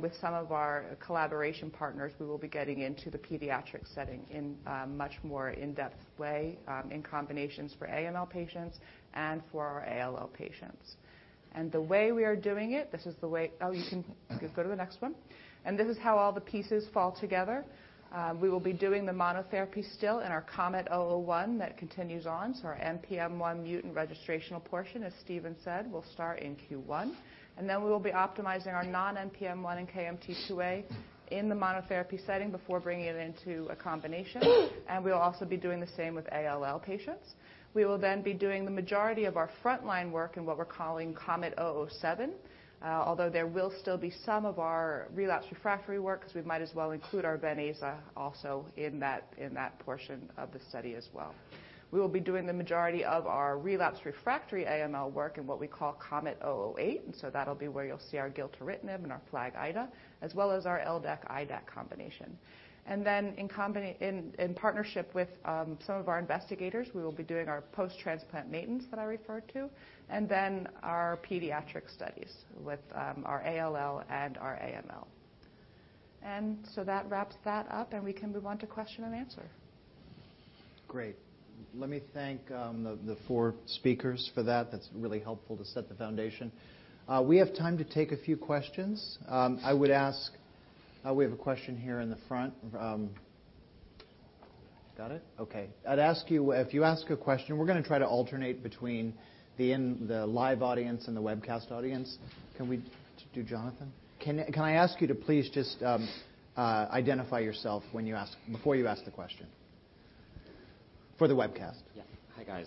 E: With some of our collaboration partners, we will be getting into the pediatric setting in a much more in-depth way, in combinations for AML patients and for our ALL patients. The way we are doing it, this is the way you can go to the next one. This is how all the pieces fall together. We will be doing the monotherapy still in our KOMET-001 that continues on. Our NPM1 mutant registrational portion, as Stephen said, will start in Q1. We will be optimizing our non-NPM1 and KMT2A in the monotherapy setting before bringing it into a combination. We'll also be doing the same with ALL patients. We will then be doing the majority of our frontline work in what we're calling KOMET-007, although there will still be some of our relapse refractory work as we might as well include our venetoclax also in that, in that portion of the study as well. We will be doing the majority of our relapse refractory AML work in what we call KOMET-008. That will be where you'll see our gilteritinib and our FLAG-Ida, as well as our LDAC/IDAC combination. Then in partnership with some of our investigators, we will be doing our post-transplant maintenance that I referred to, and then our pediatric studies with our ALL and our AML. That wraps that up, and we can move on to question and answer.
A: Great. Let me thank the four speakers for that. That's really helpful to set the foundation. We have time to take a few questions. I would ask, we have a question here in the front. Got it? Okay. I'd ask you if you ask a question, we're gonna try to alternate between the live audience and the webcast audience. Can we do Jonathan? Can I ask you to please just identify yourself before you ask the question? For the webcast.
F: Yeah. Hi, guys.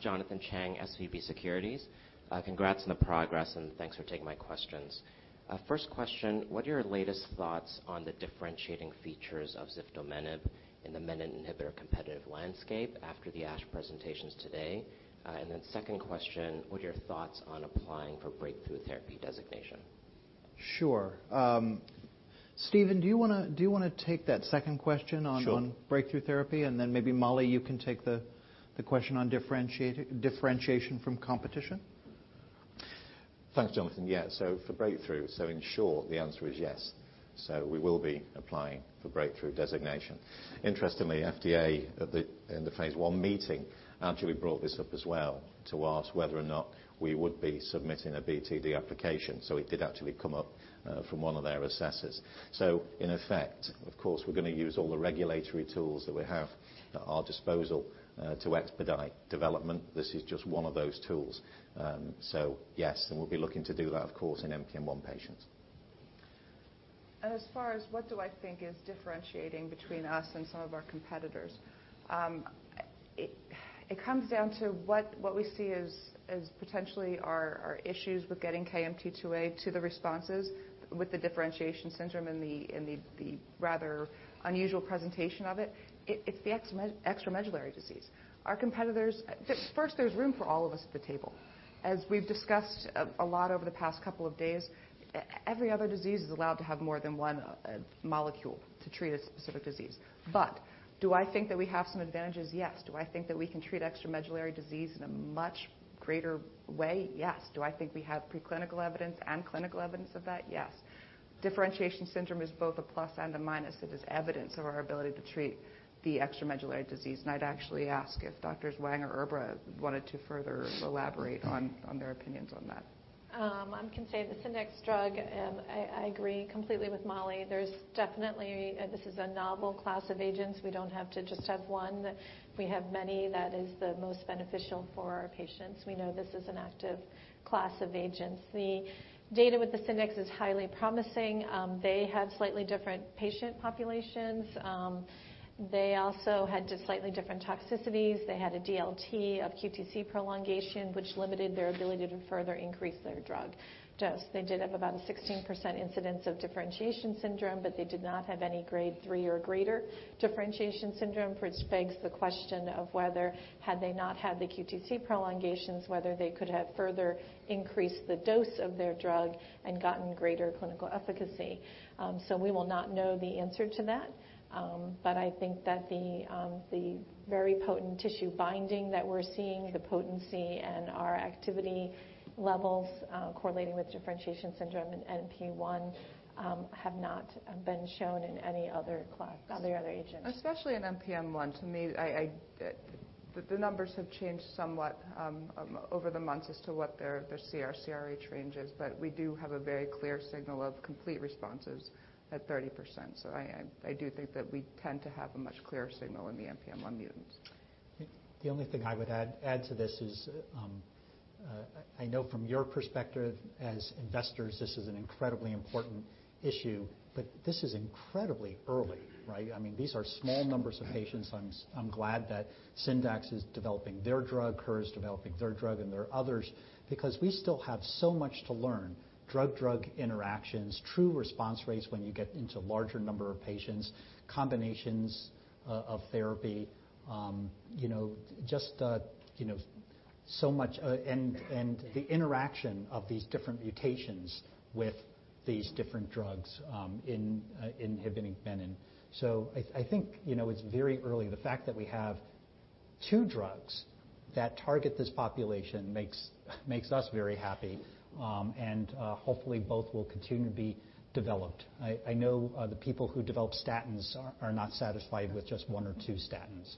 F: Jonathan Chang, SVB Securities. Congrats on the progress, and thanks for taking my questions. First question, what are your latest thoughts on the differentiating features of ziftomenib in the menin inhibitor competitive landscape after the ASH presentations today? Second question, what are your thoughts on applying for Breakthrough Therapy Designation?
A: Sure. Stephen, do you wanna take that second question?
B: Sure.
A: On Breakthrough Therapy, maybe Mollie, you can take the question on differentiation from competition.
B: Thanks, Jonathan. Yeah. For Breakthrough, so in short, the answer is yes. We will be applying for Breakthrough Designation. Interestingly, FDA in the phase I meeting actually brought this up as well to ask whether or not we would be submitting a BTD application. It did actually come up from one of their assessors. In effect, of course, we're gonna use all the regulatory tools that we have at our disposal to expedite development. This is just one of those tools. Yes, we'll be looking to do that, of course, in NPM1 patients.
E: As far as what do I think is differentiating between us and some of our competitors. It comes down to what we see as potentially our issues with getting KMT2A to the responses with the differentiation syndrome and the rather unusual presentation of it. It's the extramedullary disease. Our competitors. First, there's room for all of us at the table. As we've discussed a lot over the past couple of days, every other disease is allowed to have more than one molecule to treat a specific disease. Do I think that we have some advantages? Yes. Do I think that we can treat extramedullary disease in a much greater way? Yes. Do I think we have preclinical evidence and clinical evidence of that? Yes. Differentiation syndrome is both a plus and a minus. It is evidence of our ability to treat the extramedullary disease, and I'd actually ask if Drs. Wang or Erba wanted to further elaborate on their opinions on that.
C: I can say the Syndax drug, I agree completely with Mollie. This is a novel class of agents. We don't have to just have one. We have many that is the most beneficial for our patients. We know this is an active class of agents. The data with the Syndax is highly promising. They have slightly different patient populations. They also had just slightly different toxicities. They had a DLT of QTC prolongation, which limited their ability to further increase their drug dose. They did have about a 16% incidence of differentiation syndrome, but they did not have any grade 3 or greater differentiation syndrome, which begs the question of whether had they not had the QTC prolongations, whether they could have further increased the dose of their drug and gotten greater clinical efficacy. We will not know the answer to that. I think that the very potent tissue binding that we're seeing, the potency and our activity levels, correlating with differentiation syndrome in NPM1, have not been shown in any other agents.
E: Especially in NPM1. To me, I, the numbers have changed somewhat over the months as to what their CR/CRh range is. We do have a very clear signal of complete responses at 30%. I do think that we tend to have a much clearer signal in the NPM1 mutants.
D: The only thing I would add to this is, I know from your perspective as investors, this is an incredibly important issue, but this is incredibly early, right? I mean, these are small numbers of patients. I'm glad that Syndax is developing their drug, Kura is developing their drug, and there are others, because we still have so much to learn. Drug-drug interactions, true response rates when you get into larger number of patients, combinations of therapy, you know, just, you know, so much, and the interaction of these different mutations with these different drugs, in inhibiting menin. I think, you know, it's very early. The fact that we have two drugs that target this population makes us very happy. Hopefully both will continue to be developed. I know the people who develop statins are not satisfied with just one or two statins.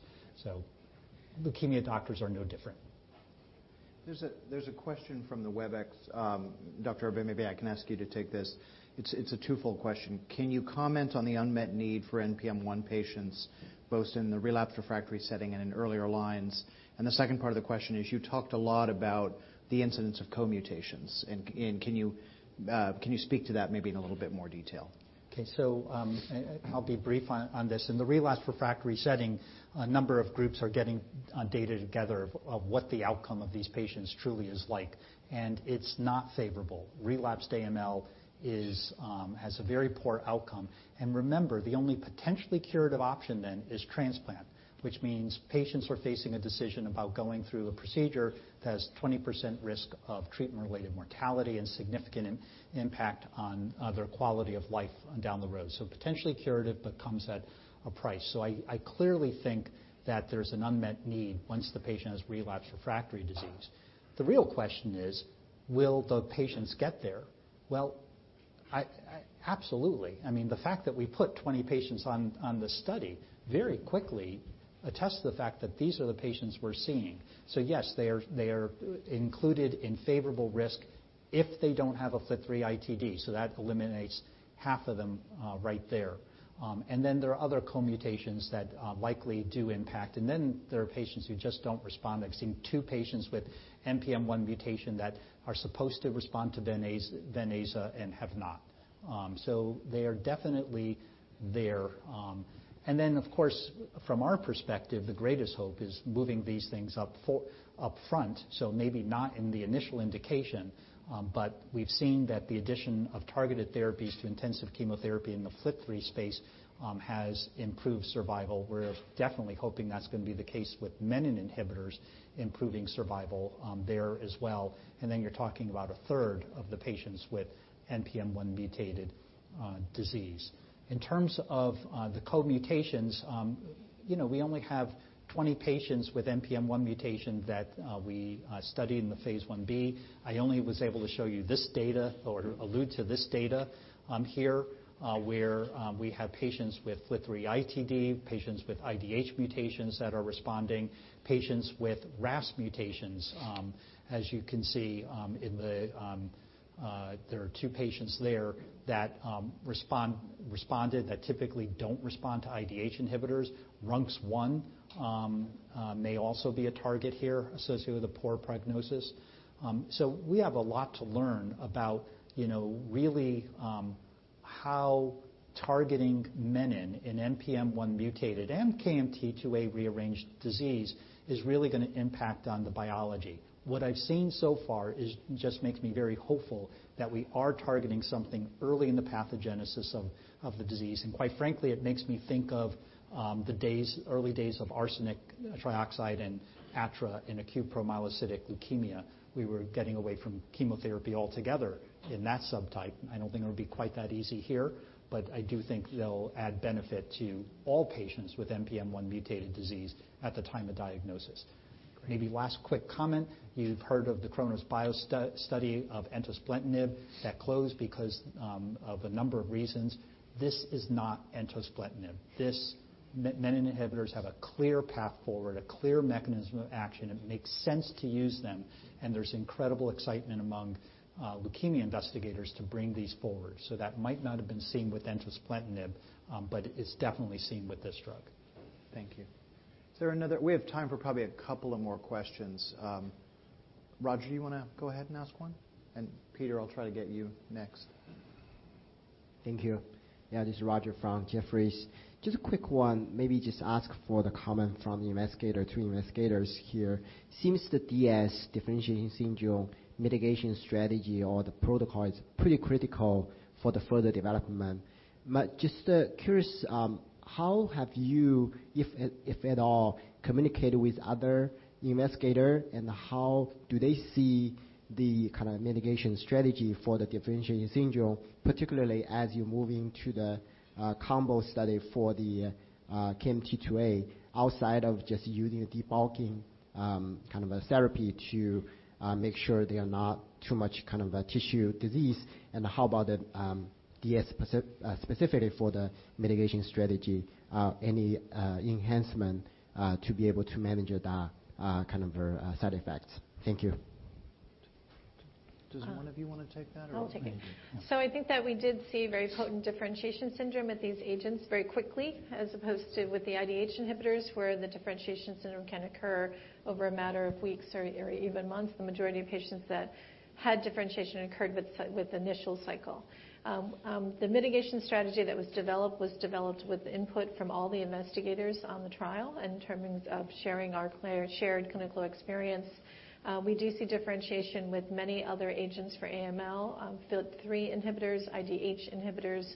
D: Leukemia doctors are no different.
A: There's a question from the Webex. Dr. Erba, maybe I can ask you to take this. It's a twofold question. Can you comment on the unmet need for NPM1 patients, both in the relapsed refractory setting and in earlier lines? The second part of the question is, you talked a lot about the incidence of co-mutations. Can you speak to that maybe in a little bit more detail?
D: Okay. I'll be brief on this. In the relapsed refractory setting, a number of groups are getting data together of what the outcome of these patients truly is like, it's not favorable. Relapsed AML is has a very poor outcome. Remember, the only potentially curative option then is transplant, which means patients are facing a decision about going through a procedure that has 20% risk of treatment-related mortality and significant impact on their quality of life down the road. Potentially curative, comes at a price. I clearly think that there's an unmet need once the patient has relapsed refractory disease. The real question is, will the patients get there? Well, I, absolutely. I mean, the fact that we put 20 patients on the study very quickly attests to the fact that these are the patients we're seeing. Yes, they are included in favorable risk if they don't have a FLT3 ITD, so that eliminates half of them right there. There are other co-mutations that likely do impact, and then there are patients who just don't respond. I've seen two patients with NPM1 mutation that are supposed to respond to VEN-AZA and have not. They are definitely there. Of course, from our perspective, the greatest hope is moving these things up front, so maybe not in the initial indication, but we've seen that the addition of targeted therapies to intensive chemotherapy in the FLT3 space has improved survival. We're definitely hoping that's gonna be the case with menin inhibitors improving survival there as well. You're talking about 1/3 of the patients with NPM1 mutated disease. In terms of the co-mutations, you know, we only have 20 patients with NPM1 mutation that we studied in phase I-B. I only was able to show you this data or allude to this data here, where we have patients with FLT3 ITD, patients with IDH mutations that are responding, patients with Ras mutations. As you can see, in the, there are two patients there that responded that typically don't respond to IDH inhibitors. RUNX1 may also be a target here associated with a poor prognosis. We have a lot to learn about, you know, really, how targeting menin in NPM1 mutated and KMT2A rearranged disease is really gonna impact on the biology. What I've seen so far just makes me very hopeful that we are targeting something early in the pathogenesis of the disease. Quite frankly, it makes me think of the days, early days of arsenic trioxide and ATRA in acute promyelocytic leukemia. We were getting away from chemotherapy altogether in that subtype. I don't think it'll be quite that easy here, I do think they'll add benefit to all patients with NPM1 mutated disease at the time of diagnosis. Maybe last quick comment. You've heard of the Kronos Bio study of entosplentinib that closed because of a number of reasons. This is not entosplentinib. Menin inhibitors have a clear path forward, a clear mechanism of action. It makes sense to use them, and there's incredible excitement among leukemia investigators to bring these forward. That might not have been seen with entosplentinib, but it's definitely seen with this drug. Thank you.
A: We have time for probably a couple of more questions. Roger, you wanna go ahead and ask one? Peter, I'll try to get you next.
G: Thank you. Yeah, this is Roger from Jefferies. Just a quick one, maybe just ask for the comment from the investigator, two investigators here. Seems the DS, differentiation syndrome mitigation strategy or the protocol is pretty critical for the further development. But just curious, how have you, if at all, communicated with other investigator, and how do they see the kinda mitigation strategy for the differentiation syndrome, particularly as you're moving to the combo study for the KMT2A outside of just using a debulking kind of a therapy to make sure there are not too much kind of a tissue disease? And how about the DS specifically for the mitigation strategy, any enhancement to be able to manage the kind of side effects? Thank you.
A: Does one of you wanna take that?
C: I'll take it.
A: Okay.
C: I think that we did see very potent differentiation syndrome with these agents very quickly, as opposed to with the IDH inhibitors, where the differentiation syndrome can occur over a matter of weeks or even months. The majority of patients that had differentiation occurred with initial cycle. The mitigation strategy that was developed was developed with input from all the investigators on the trial in terms of sharing our shared clinical experience. We do see differentiation with many other agents for AML, FLT3 inhibitors, IDH inhibitors,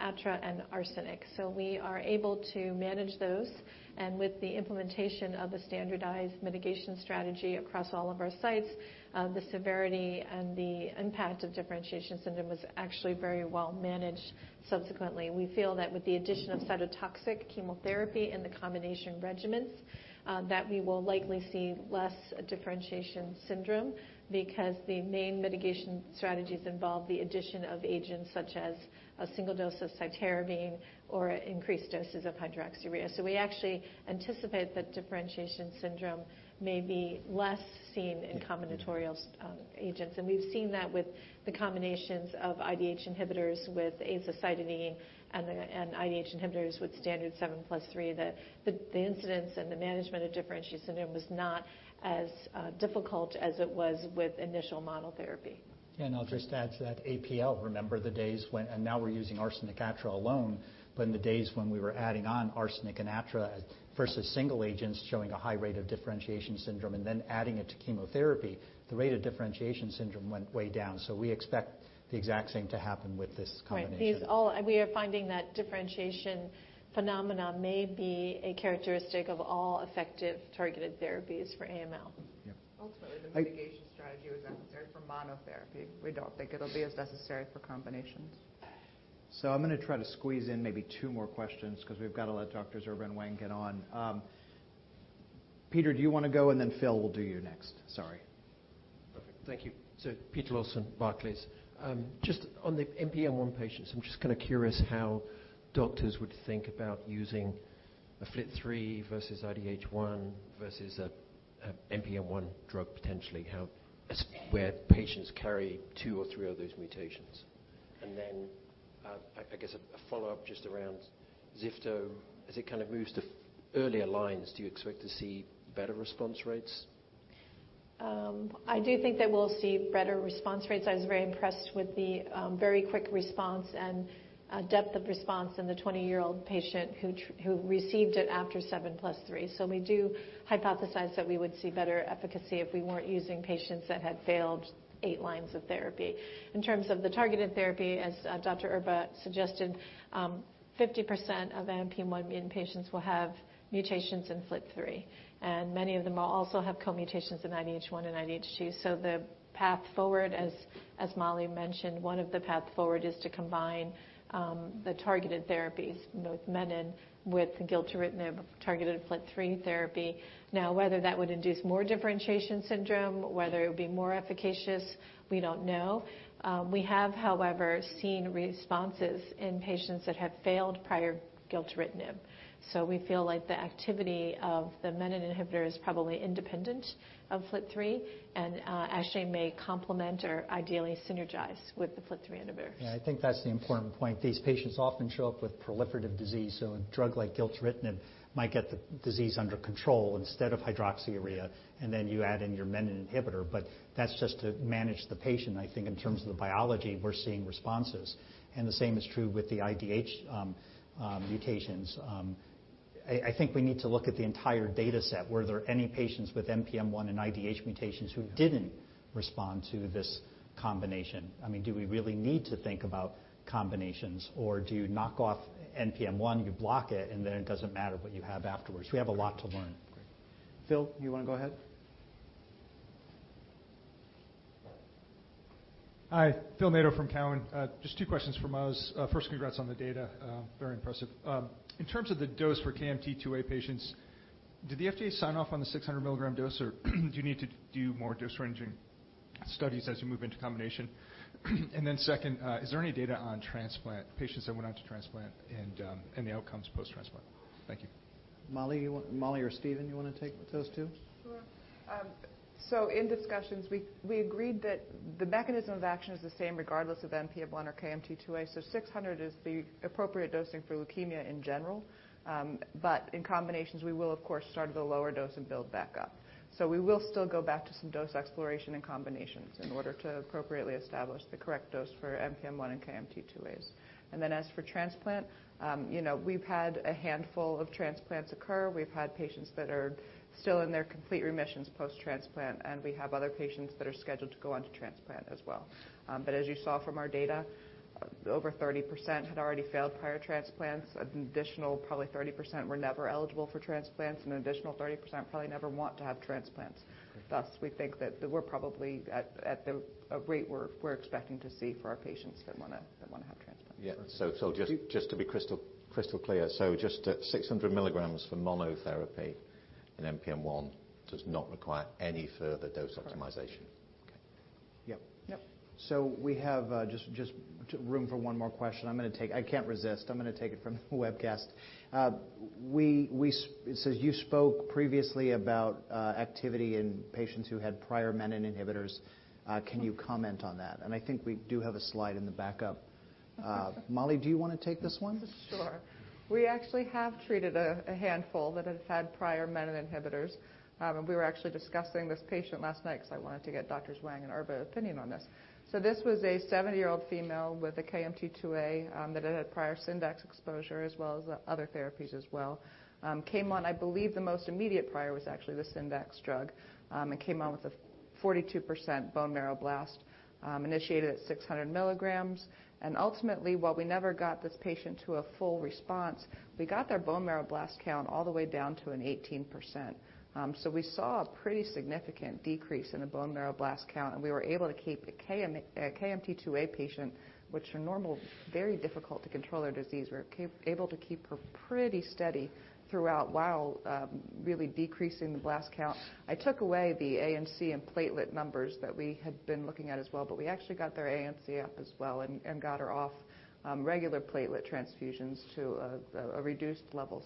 C: ATRA and arsenic. We are able to manage those, and with the implementation of the standardized mitigation strategy across all of our sites, the severity and the impact of differentiation syndrome was actually very well managed subsequently. We feel that with the addition of cytotoxic chemotherapy in the combination regimens, that we will likely see less differentiation syndrome because the main mitigation strategies involve the addition of agents such as a single dose of cytarabine or increased doses of hydroxyurea. We actually anticipate that differentiation syndrome may be less seen in combinatorial agents. We've seen that with the combinations of IDH inhibitors with azacitidine and IDH inhibitors with standard 7+3, the incidence and the management of differentiation syndrome was not as difficult as it was with initial monotherapy.
D: I'll just add to that APL. Remember the days when now we're using arsenic ATRA alone, but in the days when we were adding on arsenic and ATRA versus single agents showing a high rate of differentiation syndrome and then adding it to chemotherapy, the rate of differentiation syndrome went way down. We expect the exact same to happen with this combination.
C: Right. We are finding that differentiation phenomena may be a characteristic of all effective targeted therapies for AML.
D: Yeah.
E: Ultimately, the mitigation strategy was necessary for monotherapy. We don't think it'll be as necessary for combinations.
A: I'm gonna try to squeeze in maybe two more questions 'cause we've got to let Dr. Erba and Dr. Wang get on. Peter, do you want to go and then Phil, we'll do you next. Sorry.
H: Perfect. Thank you. Peter Lawson, Barclays. just on the NPM1 patients, I'm just kind of curious how doctors would think about using a FLT3 versus IDH1 versus a NPM1 drug, potentially. where patients carry two or three of those mutations. I guess a follow-up just around zifto, as it kind of moves to earlier lines, do you expect to see better response rates?
C: I do think that we'll see better response rates. I was very impressed with the very quick response and depth of response in the 20-year-old patient who received it after 7+3. We do hypothesize that we would see better efficacy if we weren't using patients that had failed eight lines of therapy. In terms of the targeted therapy, as Dr. Erba suggested, 50% of NPM1 mutant patients will have mutations in FLT3, and many of them also have co-mutations in IDH1 and IDH2. The path forward, as Mollie mentioned, one of the path forward is to combine the targeted therapies with menin, with the gilteritinib-targeted FLT3 therapy. Whether that would induce more differentiation syndrome, whether it would be more efficacious, we don't know. We have, however, seen responses in patients that have failed prior gilteritinib. We feel like the activity of the menin inhibitor is probably independent of FLT3, and actually may complement or ideally synergize with the FLT3 inhibitors.
A: Yeah, I think that's the important point. These patients often show up with proliferative disease, so a drug like gilteritinib might get the disease under control instead of hydroxyurea, and then you add in your menin inhibitor. That's just to manage the patient. I think in terms of the biology, we're seeing responses. The same is true with the IDH mutations. I think we need to look at the entire dataset. Were there any patients with NPM1 and IDH mutations who didn't respond to this combination? I mean, do we really need to think about combinations or do you knock off NPM1, you block it, and then it doesn't matter what you have afterwards? We have a lot to learn. Phil, you wanna go ahead?
I: Hi, Phil Nadeau from Cowen. Just two questions from us. First, congrats on the data, very impressive. In terms of the dose for KMT2A patients, did the FDA sign off on the 600-mg dose, or do you need to do more dose ranging studies as you move into combination? Second, is there any data on transplant, patients that went on to transplant and the outcomes post-transplant? Thank you.
A: Mollie or Stephen, you wanna take those two?
E: Sure. In discussions, we agreed that the mechanism of action is the same regardless of NPM1 or KMT2A. 600 is the appropriate dosing for leukemia in general. In combinations, we will of course, start at a lower dose and build back up. We will still go back to some dose exploration and combinations in order to appropriately establish the correct dose for NPM1 and KMT2As. As for transplant, you know, we've had a handful of transplants occur. We've had patients that are still in their complete remissions post-transplant, and we have other patients that are scheduled to go onto transplant as well. As you saw from our data, over 30% had already failed prior transplants. An additional probably 30% were never eligible for transplants. An additional 30% probably never want to have transplants. We think that we're probably at a rate we're expecting to see for our patients that wanna have transplants.
B: Yeah. Just to be crystal clear. Just at 600 mg for monotherapy in NPM1 does not require any further dose optimization.
A: Correct. Yep.
E: Yep.
A: We have, just room for one more question. I'm gonna take. I can't resist. I'm gonna take it from the webcast. You spoke previously about activity in patients who had prior menin inhibitors. Can you comment on that? I think we do have a slide in the backup. Mollie, do you wanna take this one?
E: Sure. We actually have treated a handful that have had prior menin inhibitors. We were actually discussing this patient last night 'cause I wanted to get Dr. Wang' and Dr. Erba's opinion on this. This was a 70-year-old female with a KMT2A that had had prior Syndax exposure as well as other therapies as well. Came on I believe the most immediate prior was actually the Syndax drug, and came out with a 42% bone marrow blast, initiated at 600 mg. Ultimately, while we never got this patient to a full response, we got their bone marrow blast count all the way down to an 18%. We saw a pretty significant decrease in the bone marrow blast count, and we were able to keep a KMT2A patient, which are normal, very difficult to control their disease. We were able to keep her pretty steady throughout while really decreasing the blast count. I took away the ANC and platelet numbers that we had been looking at as well, but we actually got their ANC up as well and got her off regular platelet transfusions to a reduced level.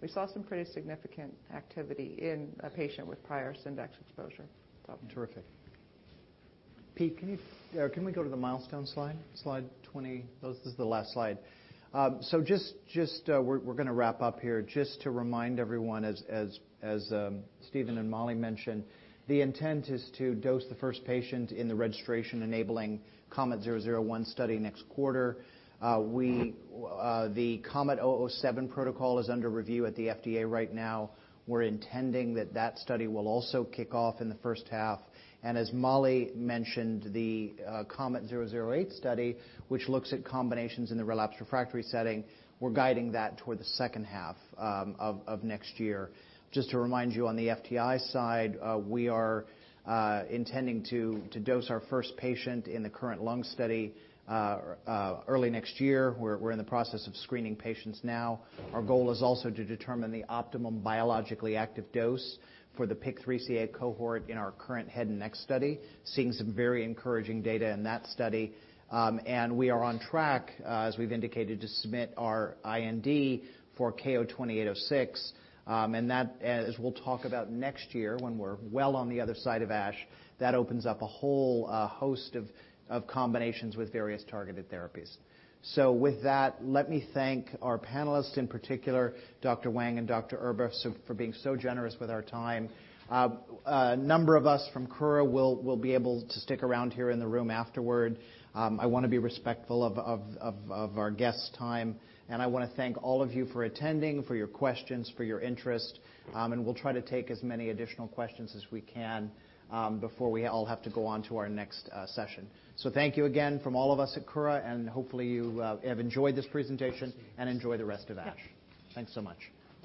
E: We saw some pretty significant activity in a patient with prior Syndax exposure.
A: Terrific. Pete, can we go to the milestone slide? Slide 20. This is the last slide. Just, we're gonna wrap up here. Just to remind everyone as Stephen and Mollie mentioned, the intent is to dose the first patient in the registration enabling KOMET-001 study next quarter. The KOMET-007 protocol is under review at the FDA right now. We're intending that that study will also kick off in the first half. As Mollie mentioned, the KOMET-008 study, which looks at combinations in the relapsed refractory setting, we're guiding that toward the second half of next year. Just to remind you on the FTI side, we are intending to dose our first patient in the current lung study early next year. We're in the process of screening patients now. Our goal is also to determine the optimum biologically active dose for the PIK3CA cohort in our current head and neck study, seeing some very encouraging data in that study. We are on track, as we've indicated, to submit our IND for KO-2806. That, as we'll talk about next year when we're well on the other side of ASH, that opens up a whole host of combinations with various targeted therapies. With that, let me thank our panelists, in particular, Dr. Wang and Dr. Erba for being so generous with our time. A number of us from Kura will be able to stick around here in the room afterward. I wanna be respectful of our guests' time. I wanna thank all of you for attending, for your questions, for your interest. We'll try to take as many additional questions as we can before we all have to go on to our next session. Thank you again from all of us at Kura, and hopefully you have enjoyed this presentation and enjoy the rest of ASH. Thanks so much.